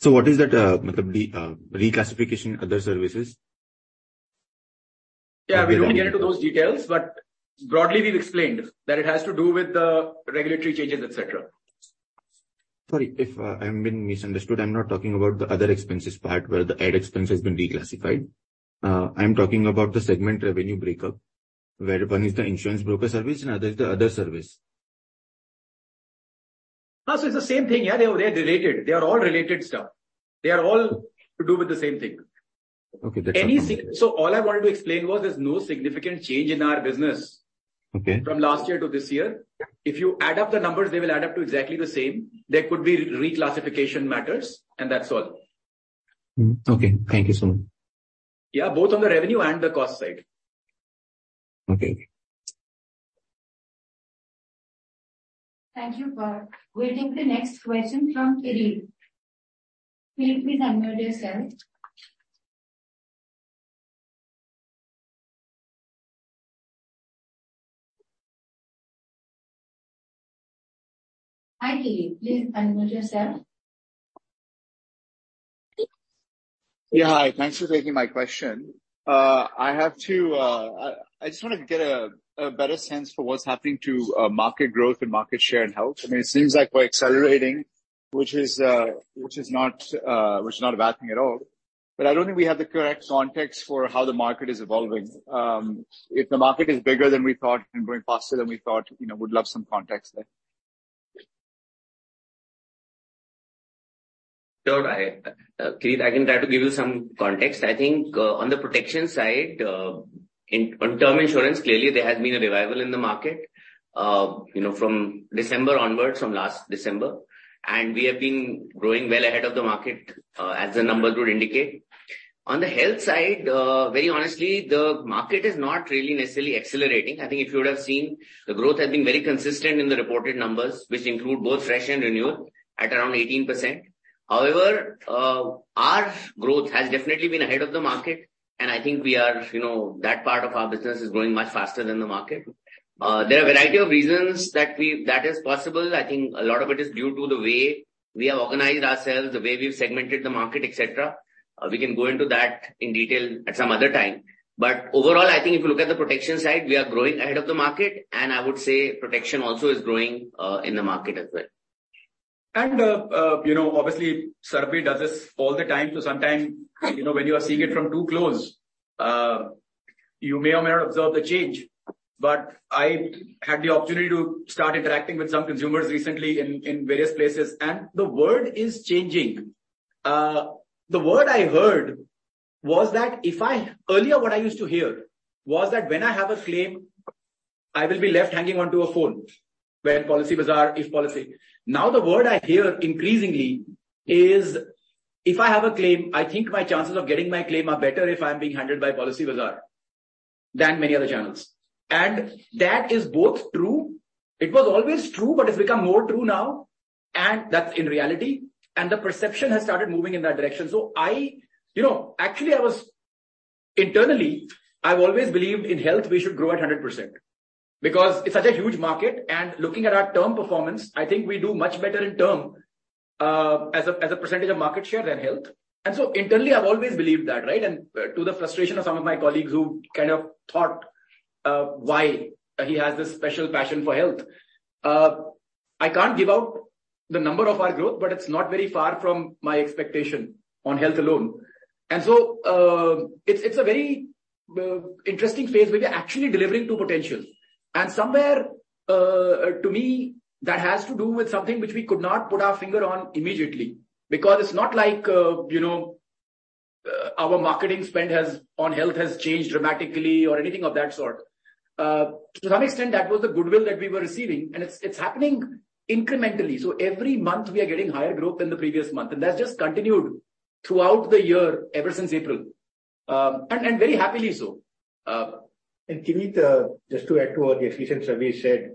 S11: So what is that reclassification other services?
S2: Yeah, we don't get into those details, but broadly, we've explained that it has to do with the regulatory changes, et cetera.
S11: Sorry if I've been misunderstood. I'm not talking about the other expenses part, where the ad expense has been reclassified. I'm talking about the segment revenue breakup, where one is the insurance broker service and other is the other service.
S2: No, so it's the same thing, yeah. They, they are related. They are all related stuff. They are all to do with the same thing.
S11: Okay, that's-
S2: So all I wanted to explain was there's no significant change in our business-
S11: Okay.
S2: from last year to this year. If you add up the numbers, they will add up to exactly the same. There could be reclassification matters, and that's all.
S11: Mm. Okay, thank you so much.
S2: Yeah, both on the revenue and the cost side.
S11: Okay.
S1: Thank you, Parth. We'll take the next question from Kirill. Kirill, please unmute yourself. Hi, Kirill, please unmute yourself.
S12: Yeah, hi. Thanks for taking my question. I just want to get a better sense for what's happening to market growth and market share in health. I mean, it seems like we're accelerating, which is not a bad thing at all. But I don't think we have the correct context for how the market is evolving. If the market is bigger than we thought and growing faster than we thought, you know, would love some context there.
S4: Sure, I, Kirill, I can try to give you some context. I think, on the protection side, on term insurance, clearly there has been a revival in the market, you know, from December onwards, from last December, and we have been growing well ahead of the market, as the numbers would indicate. On the health side, very honestly, the market is not really necessarily accelerating. I think if you would have seen, the growth has been very consistent in the reported numbers, which include both fresh and renewal, at around 18%. However, our growth has definitely been ahead of the market, and I think we are, you know, that part of our business is growing much faster than the market. There are a variety of reasons that is possible. I think a lot of it is due to the way we have organized ourselves, the way we've segmented the market, et cetera. We can go into that in detail at some other time. But overall, I think if you look at the protection side, we are growing ahead of the market, and I would say protection also is growing in the market as well.
S2: You know, obviously, Sarbvir does this all the time, so sometimes, you know, when you are seeing it from too close, you may or may not observe the change. But I had the opportunity to start interacting with some consumers recently in various places, and the word is changing. The word I heard was that if I earlier, what I used to hear was that when I have a claim, I will be left hanging onto a phone, where Policybazaar, if policy. Now, the word I hear increasingly is: if I have a claim, I think my chances of getting my claim are better if I'm being handled by Policybazaar than many other channels. And that is both true, it was always true, but it's become more true now, and that's in reality, and the perception has started moving in that direction. So, you know, actually, internally, I've always believed in health, we should grow at 100%, because it's such a huge market, and looking at our term performance, I think we do much better in term, as a percentage of market share than health. And so internally, I've always believed that, right? And to the frustration of some of my colleagues who kind of thought why he has this special passion for health. I can't give out the number of our growth, but it's not very far from my expectation on health alone. And so, it's a very interesting phase. We are actually delivering to potential. And somewhere, to me, that has to do with something which we could not put our finger on immediately, because it's not like, you know, our marketing spend has, on health has changed dramatically or anything of that sort. To some extent, that was the goodwill that we were receiving, and it's, it's happening incrementally. So every month we are getting higher growth than the previous month, and that's just continued throughout the year, ever since April, and, and very happily so.
S13: Mandeep, just to add to what Yashish and Sarbvir said.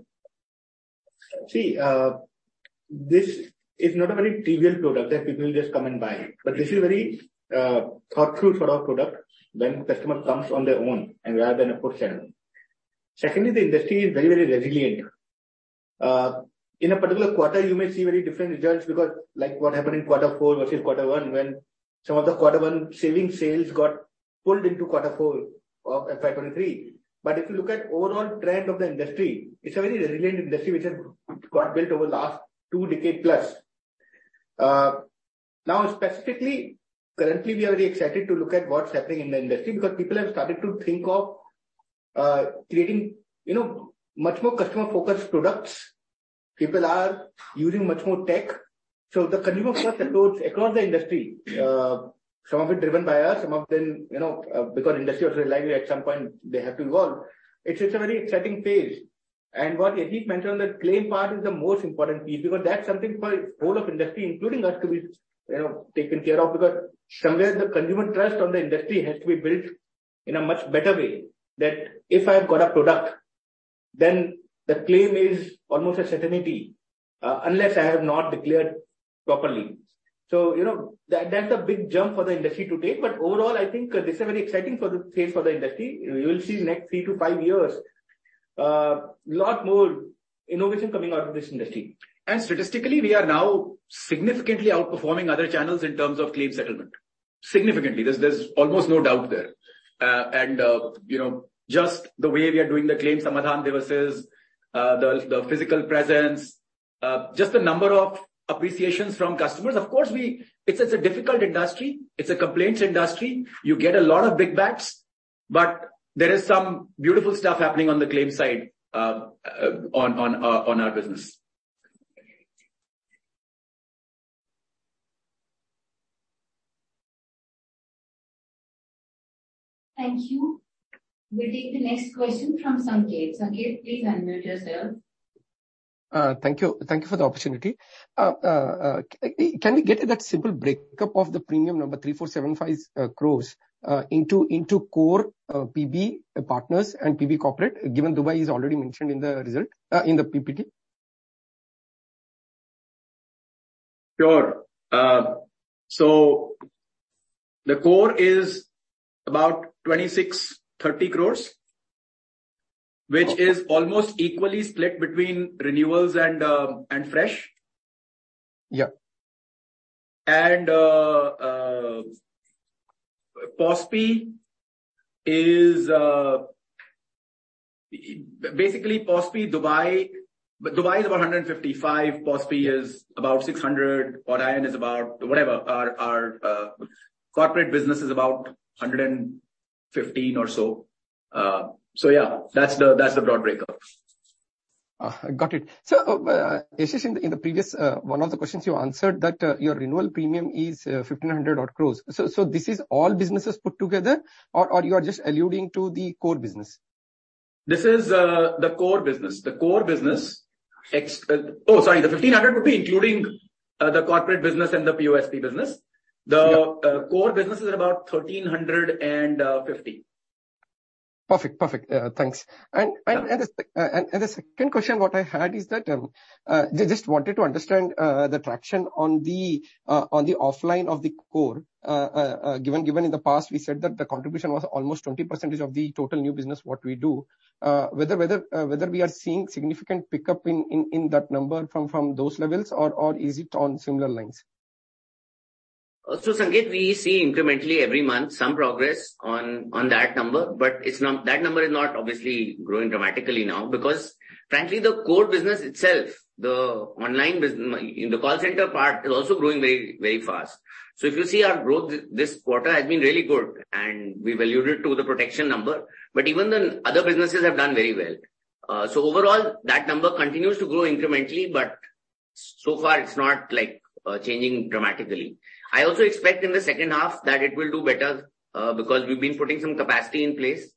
S13: See, this is not a very trivial product that people just come and buy, but this is a very thought through sort of product when customer comes on their own and rather than a push channel. Secondly, the industry is very, very resilient. In a particular quarter, you may see very different results because, like what happened in quarter four versus quarter one, when some of the quarter one saving sales got pulled into quarter four of FY 2023. But if you look at overall trend of the industry, it's a very resilient industry which has got built over the last two decade plus. Now, specifically, currently we are very excited to look at what's happening in the industry, because people have started to think of creating, you know, much more customer-focused products. People are using much more tech. So the consumer first approach across the industry, some of it driven by us, some of them, you know, because industry is also likely at some point they have to evolve. It's, it's a very exciting phase. And what Yashish mentioned, on the claim part is the most important piece, because that's something for whole of industry, including us, to be, you know, taken care of. Because somewhere the consumer trust on the industry has to be built in a much better way, that if I've got a product, then the claim is almost a certainty, unless I have not declared properly. So, you know, that, that's a big jump for the industry to take. But overall, I think this is a very exciting for the phase for the industry. You will see next 3-5 years, lot more innovation coming out of this industry. Statistically, we are now significantly outperforming other channels in terms of claim settlement. Significantly, there's almost no doubt there. And you know, just the way we are doing the Claims Samadhan Diwas, the physical presence, just the number of appreciations from customers. Of course, we, it's a difficult industry. It's a complaints industry. You get a lot of pushbacks, but there is some beautiful stuff happening on the claim side, on our business.
S1: Thank you. We'll take the next question from Sanket. Sanket, please unmute yourself.
S14: Thank you. Thank you for the opportunity. Can we get that simple breakup of the premium number 3,475 crore into core PB Partners and PB Corporate, given Dubai is already mentioned in the result in the PPT?
S2: Sure. So the core is about 26-30 crore, which is almost equally split between renewals and fresh.
S14: Yeah.
S2: Basically, POSP, Dubai is about 155, POSP is about 600, Hotiron is about whatever. Our corporate business is about 115 or so. So yeah, that's the broad breakup.
S14: Got it. So, Yashish, in the previous one of the questions you answered that your renewal premium is 1,500-odd crore. So, this is all businesses put together or you are just alluding to the core business?
S2: This is the core business. The 1,500 would be including the corporate business and the POSP business.
S14: Yeah.
S2: The core business is about 1,350.
S14: Perfect. Perfect. Thanks. And the second question what I had is that just wanted to understand the traction on the offline of the core, given in the past we said that the contribution was almost 20% of the total new business what we do, whether we are seeing significant pickup in that number from those levels or is it on similar lines?
S13: So, Sanket, we see incrementally every month some progress on that number, but it's not—that number is not obviously growing dramatically now. Because frankly, the core business itself, the online business in the call center part is also growing very, very fast. So if you see our growth, this quarter has been really good and we valued it to the protection number, but even the other businesses have done very well. So overall, that number continues to grow incrementally, but-... So far, it's not, like, changing dramatically. I also expect in the second half that it will do better, because we've been putting some capacity in place.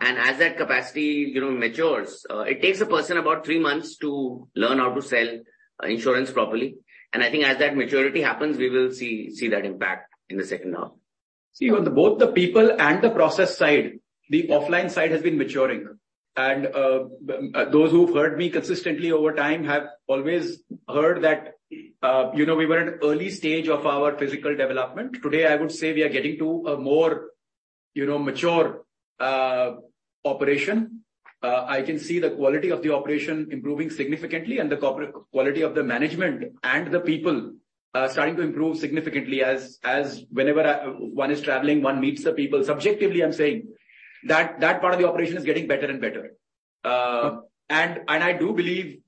S13: And as that capacity, you know, matures, it takes a person about three months to learn how to sell insurance properly. And I think as that maturity happens, we will see that impact in the second half.
S2: See, on both the people and the process side, the offline side has been maturing. Those who've heard me consistently over time have always heard that, you know, we were at an early stage of our physical development. Today, I would say we are getting to a more, you know, mature operation. I can see the quality of the operation improving significantly and the quality of the management and the people starting to improve significantly as, whenever one is traveling, one meets the people. Subjectively, I'm saying that that part of the operation is getting better and better. And I do believe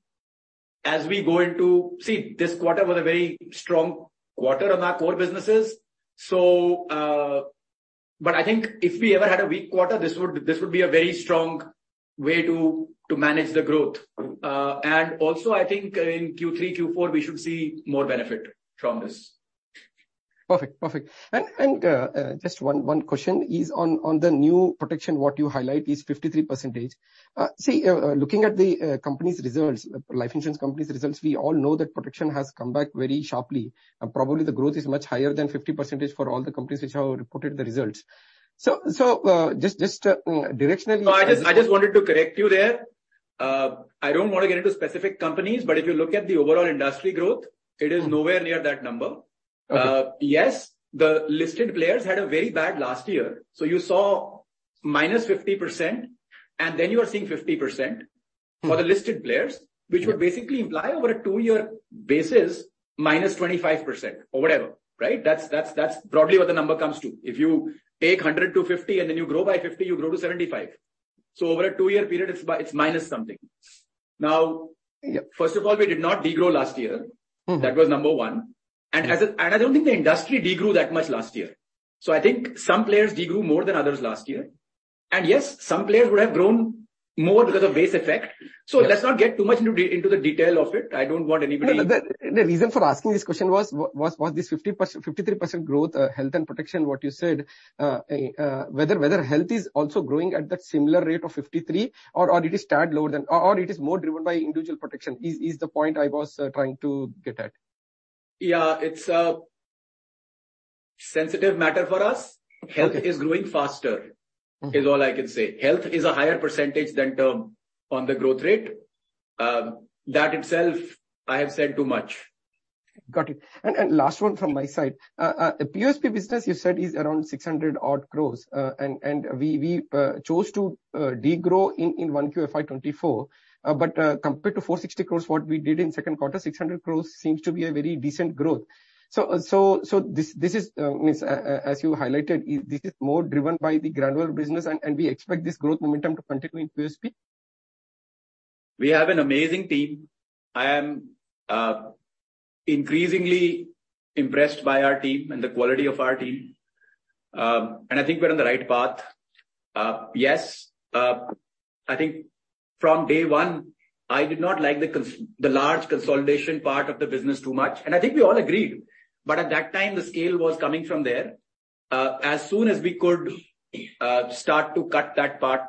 S2: as we go into. See, this quarter was a very strong quarter on our core businesses. So, but I think if we ever had a weak quarter, this would, this would be a very strong way to, to manage the growth. And also, I think in Q3, Q4, we should see more benefit from this.
S14: Perfect, perfect. Just one question is on the new protection. What you highlight is 53%. Looking at the company's results, life insurance company's results, we all know that protection has come back very sharply, and probably the growth is much higher than 50% for all the companies which have reported the results. So, just directionally-
S2: No, I just, I just wanted to correct you there. I don't want to get into specific companies, but if you look at the overall industry growth, it is nowhere near that number.
S14: Okay.
S2: Yes, the listed players had a very bad last year, so you saw -50%, and then you are seeing 50%-
S14: Mm.
S2: For the listed players, which would basically imply over a two-year basis, minus 25% or whatever, right? That's, that's, that's broadly what the number comes to. If you take 100 to 50 and then you grow by 50, you grow to 75. So over a two-year period, it's by, it's minus something. Now-
S14: Yeah.
S2: First of all, we did not de-grow last year.
S14: Mm.
S2: That was number one.
S14: Yeah.
S2: I don't think the industry de-grew that much last year. So I think some players de-grew more than others last year. And yes, some players would have grown more because of base effect.
S14: Yeah.
S2: Let's not get too much into the detail of it. I don't want anybody—
S14: No, the reason for asking this question was this 50%, 53% growth in health and protection, what you said, whether health is also growing at that similar rate of 53% or it is a tad lower than, or it is more driven by individual protection, is the point I was trying to get at.
S2: Yeah, it's a sensitive matter for us.
S14: Okay.
S2: Health is growing faster-
S14: Mm-hmm.
S2: Is all I can say. Health is a higher percentage than term on the growth rate. That itself, I have said too much.
S14: Got it. And last one from my side. The POSP business you said is around 600 odd crores, and we chose to de-grow in Q1 FY2024. But compared to 460 crores, what we did in second quarter, 600 crores seems to be a very decent growth. So this means, as you highlighted, this is more driven by the granular business, and we expect this growth momentum to continue in POSP?
S2: We have an amazing team. I am increasingly impressed by our team and the quality of our team. I think we're on the right path. Yes, I think from day one, I did not like the large consolidation part of the business too much, and I think we all agreed. But at that time, the scale was coming from there. As soon as we could start to cut that part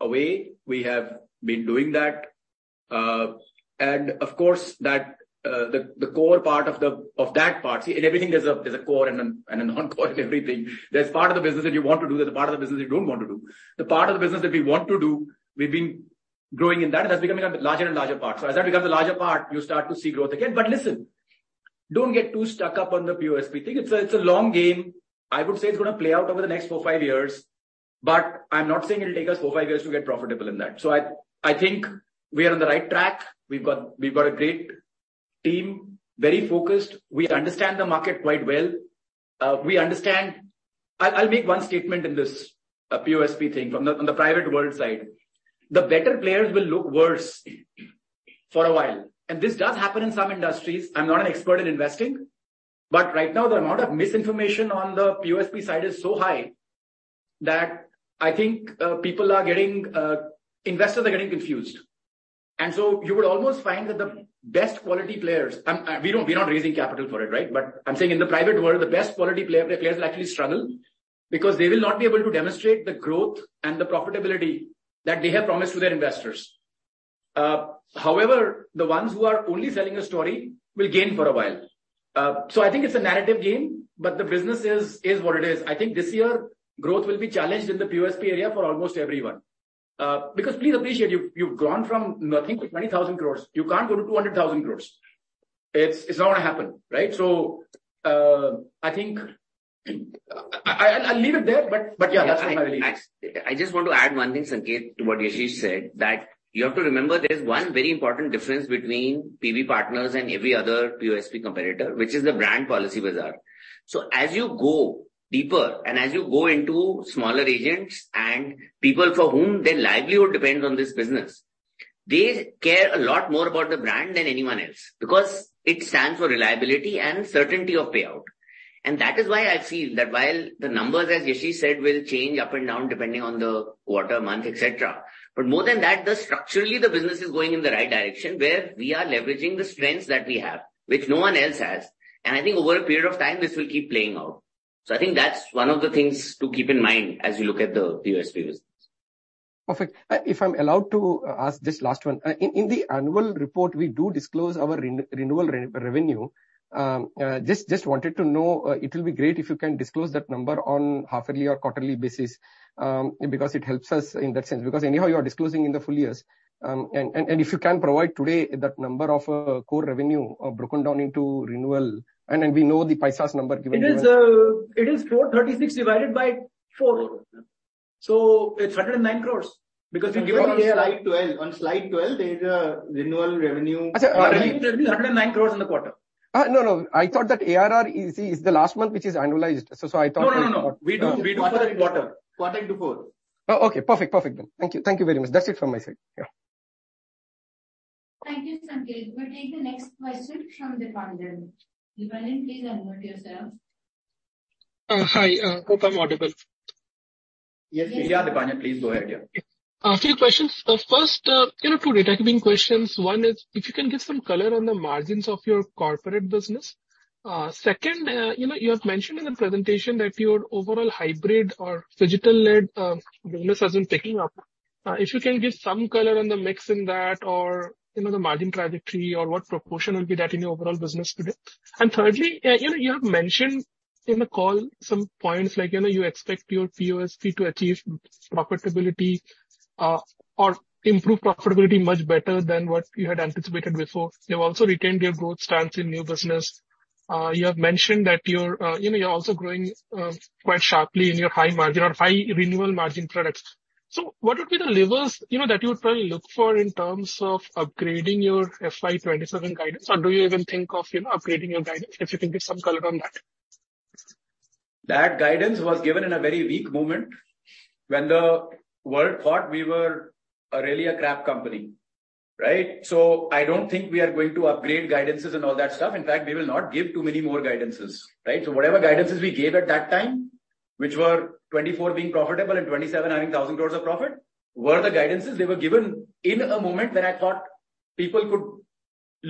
S2: away, we have been doing that. And of course, that the core part of that part. See, in everything there's a core and a non-core in everything. There's part of the business that you want to do, there's a part of the business you don't want to do. The part of the business that we want to do, we've been growing in that, and that's becoming a larger and larger part. So as that becomes a larger part, you start to see growth again. But listen, don't get too stuck up on the POSP thing. It's a, it's a long game. I would say it's gonna play out over the next 4-5 years, but I'm not saying it'll take us 4-5 years to get profitable in that. So I, I think we are on the right track. We've got, we've got a great team, very focused. We understand the market quite well. We understand... I'll make one statement in this POSP thing. From the, on the private world side, the better players will look worse for a while, and this does happen in some industries. I'm not an expert in investing, but right now the amount of misinformation on the POSP side is so high, that I think, people are getting, investors are getting confused. And so you would almost find that the best quality players, we're not, we're not raising capital for it, right? But I'm saying in the private world, the best quality player, players will actually struggle because they will not be able to demonstrate the growth and the profitability that they have promised to their investors. However, the ones who are only selling a story will gain for a while. So I think it's a narrative game, but the business is, is what it is. I think this year, growth will be challenged in the POSP area for almost everyone. Because please appreciate, you've, you've grown from nothing to 20,000 crore. You can't go to 200,000 crore. It's, it's not gonna happen, right? So, I think, I, I, I'll leave it there, but, but yeah, that's my belief.
S5: I just want to add one thing, Sanket, to what Yashish said, that you have to remember there is one very important difference between PB Partners and every other POSP competitor, which is the brand Policybazaar. So as you go deeper and as you go into smaller agents and people for whom their livelihood depends on this business, they care a lot more about the brand than anyone else, because it stands for reliability and certainty of payout. That is why I feel that while the numbers, as Yashish said, will change up and down depending on the quarter, month, et cetera. More than that, structurally, the business is going in the right direction, where we are leveraging the strengths that we have, which no one else has. I think over a period of time, this will keep playing out. I think that's one of the things to keep in mind as you look at the POSP business.
S14: Perfect. If I'm allowed to ask this last one. In the annual report, we do disclose our renewal revenue. Just wanted to know, it will be great if you can disclose that number on half yearly or quarterly basis, because it helps us in that sense, because anyhow, you are disclosing in the full years. And if you can provide today that number of core revenue, broken down into renewal, and then we know the POSP number given-
S2: It is 436 divided by 4. So it's 109 crore, because we give it on slide 12. On slide 12, there's a renewal revenue-... 109 crore in the quarter.
S14: No, no. I thought that ARR is the last month, which is annualized. So I thought that-
S2: No, no, no. We do, we do quarter in quarter. Quarter into 4.
S14: Oh, okay. Perfect. Perfect, then. Thank you. Thank you very much. That's it from my side. Yeah.
S1: Thank you, Sanket. We'll take the next question from Deepanjan. Deepanjan, please unmute yourself.
S15: Hi. Hope I'm audible.
S2: Yes, we are, Deepanjan. Please go ahead, yeah.
S15: A few questions. First, you know, two data-giving questions. One is, if you can give some color on the margins of your corporate business. Second, you know, you have mentioned in the presentation that your overall hybrid or Phygital-led business has been picking up. If you can give some color on the mix in that, or, you know, the margin trajectory, or what proportion will be that in your overall business today? And thirdly, you know, you have mentioned in the call some points like, you know, you expect your POSP to achieve profitability, or improve profitability much better than what you had anticipated before. You have also retained your growth stance in new business. You have mentioned that you're, you know, you're also growing quite sharply in your high margin or high renewal margin products. So what would be the levels, you know, that you would probably look for in terms of upgrading your FY 2027 guidance? Or do you even think of, you know, upgrading your guidance, if you can give some color on that?
S2: That guidance was given in a very weak moment when the world thought we were really a crap company, right? So I don't think we are going to upgrade guidances and all that stuff. In fact, we will not give too many more guidances, right? So whatever guidances we gave at that time, which were 2024 being profitable and 2027 having 1,000 crore of profit, were the guidances. They were given in a moment when I thought people could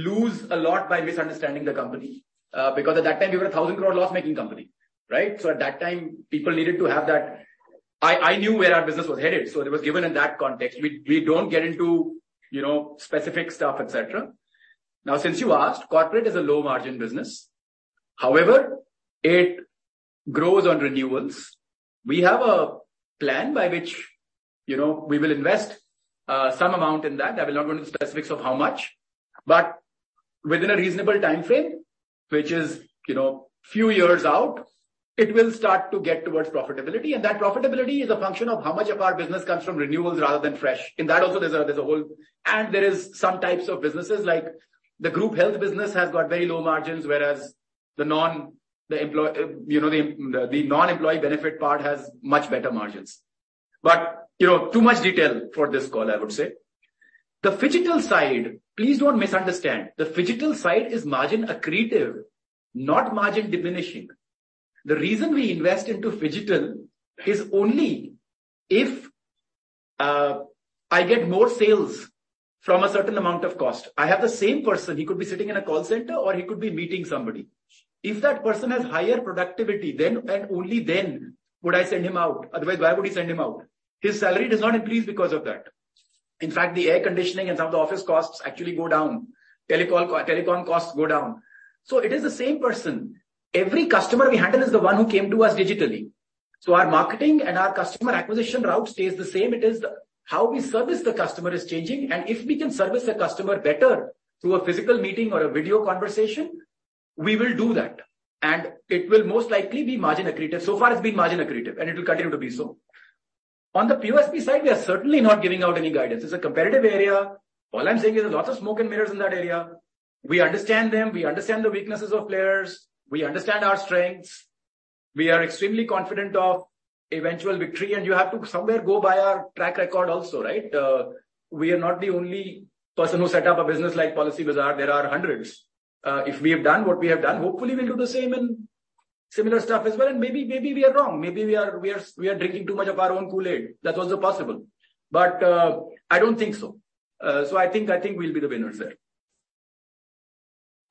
S2: lose a lot by misunderstanding the company, because at that time, we were an 1,000 crore loss-making company, right? So at that time, people needed to have that... I, I knew where our business was headed, so it was given in that context. We, we don't get into, you know, specific stuff, et cetera. Now, since you asked, corporate is a low-margin business. However, it grows on renewals. We have a plan by which, you know, we will invest some amount in that. I will not go into the specifics of how much, but within a reasonable timeframe, which is, you know, few years out, it will start to get towards profitability. And that profitability is a function of how much of our business comes from renewals rather than fresh. In that also, there's a whole. And there is some types of businesses, like the group health business has got very low margins, whereas the non-employee benefit part has much better margins. But, you know, too much detail for this call, I would say. The Phygital side, please don't misunderstand. The Phygital side is margin accretive, not margin diminishing. The reason we invest into Phygital is only if I get more sales from a certain amount of cost. I have the same person. He could be sitting in a call center or he could be meeting somebody. If that person has higher productivity, then and only then would I send him out. Otherwise, why would he send him out? His salary does not increase because of that. In fact, the air conditioning and some of the office costs actually go down. Telecom costs go down. So it is the same person. Every customer we handle is the one who came to us digitally. So our marketing and our customer acquisition route stays the same. It is the, how we service the customer is changing, and if we can service the customer better through a physical meeting or a video conversation, we will do that, and it will most likely be margin accretive. So far it's been margin accretive, and it will continue to be so. On the POSP side, we are certainly not giving out any guidance. It's a competitive area. All I'm saying is there's lots of smoke and mirrors in that area. We understand them, we understand the weaknesses of players, we understand our strengths. We are extremely confident of eventual victory, and you have to somewhere go by our track record also, right? We are not the only person who set up a business like Policybazaar. There are hundreds. If we have done what we have done, hopefully we'll do the same and similar stuff as well. Maybe, maybe we are wrong. Maybe we are drinking too much of our own Kool-Aid. That's also possible, but I don't think so. So I think we'll be the winners there.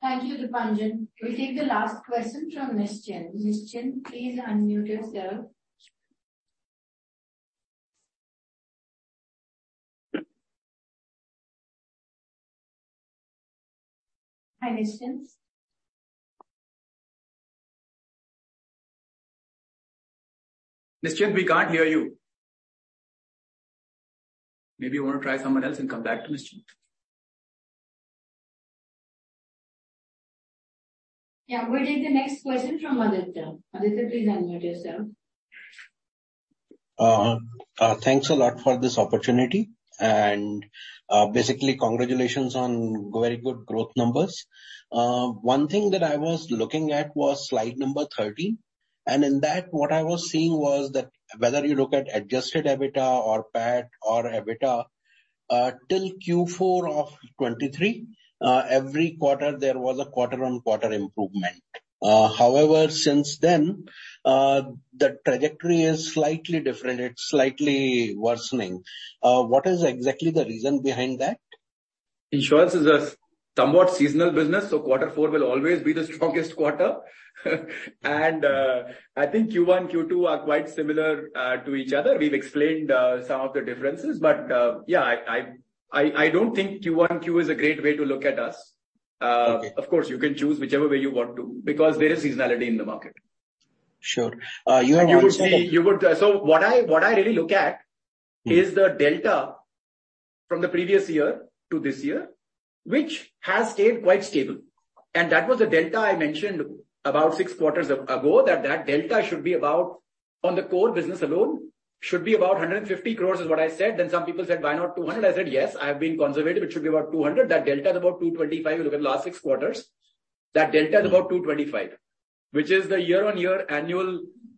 S1: Thank you, Deepanjan. We'll take the last question from Nischint. Nischint, please unmute yourself. Hi, Nischint
S2: Nischint, we can't hear you. Maybe you want to try someone else and come back to Nischint.
S1: Yeah, we'll take the next question from Aditya. Aditya, please unmute yourself.
S16: Thanks a lot for this opportunity and, basically congratulations on very good growth numbers. One thing that I was looking at was slide number 13. In that, what I was seeing was that whether you look at Adjusted EBITDA or PAT or EBITDA, till Q4 of 2023, every quarter there was a quarter-on-quarter improvement. However, since then, the trajectory is slightly different. It's slightly worsening. What is exactly the reason behind that?
S2: Insurance is a somewhat seasonal business, so quarter four will always be the strongest quarter. I think Q1, Q2 are quite similar to each other. We've explained some of the differences. Yeah, I don't think Q1, Q2 is a great way to look at us.
S16: Okay.
S2: Of course, you can choose whichever way you want to, because there is seasonality in the market.
S16: Sure. You had one more-
S2: So what I really look at-
S16: Mm.
S2: -is the delta from the previous year to this year, which has stayed quite stable. And that was the delta I mentioned about six quarters ago, that that delta should be about, on the core business alone, should be about 150 crore, is what I said. Then some people said, "Why not 200 crore?" I said, "Yes, I've been conservative. It should be about 200 crore." That delta is about 225 crore. You look at the last six quarters, that delta is about 225 crore, which is the year-on-year annual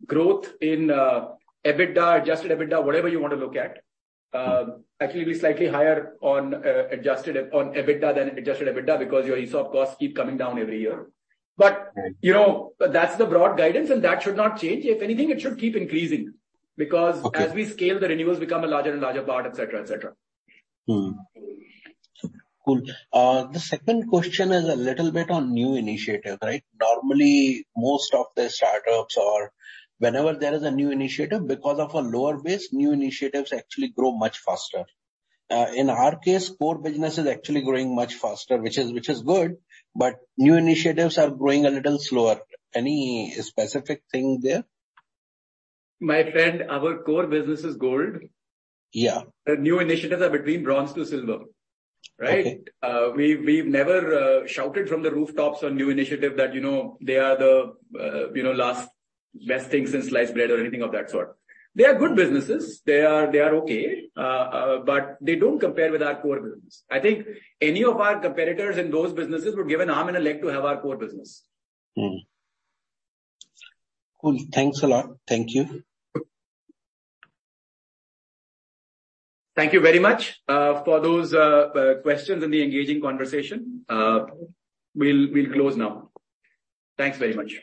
S2: growth in EBITDA, adjusted EBITDA, whatever you want to look at. Actually, it'll be slightly higher on adjusted on EBITDA than adjusted EBITDA, because your ESOP costs keep coming down every year.
S16: Right.
S2: But, you know, that's the broad guidance, and that should not change. If anything, it should keep increasing, because-
S16: Okay.
S2: As we scale, the renewals become a larger and larger part, et cetera, et cetera.
S16: Cool. The second question is a little bit on new initiative, right? Normally, most of the startups or whenever there is a new initiative, because of a lower base, new initiatives actually grow much faster. In our case, core business is actually growing much faster, which is good, but new initiatives are growing a little slower. Any specific thing there?
S2: My friend, our core business is gold.
S16: Yeah.
S2: The new initiatives are between bronze to silver, right? We've never shouted from the rooftops on new initiative that, you know, they are the, you know, last best things since sliced bread or anything of that sort. They are good businesses. They are okay. But they don't compare with our core business. I think any of our competitors in those businesses would give an arm and a leg to have our core business.
S16: Hmm. Cool. Thanks a lot. Thank you.
S2: Thank you very much for those questions and the engaging conversation. We'll close now. Thanks very much.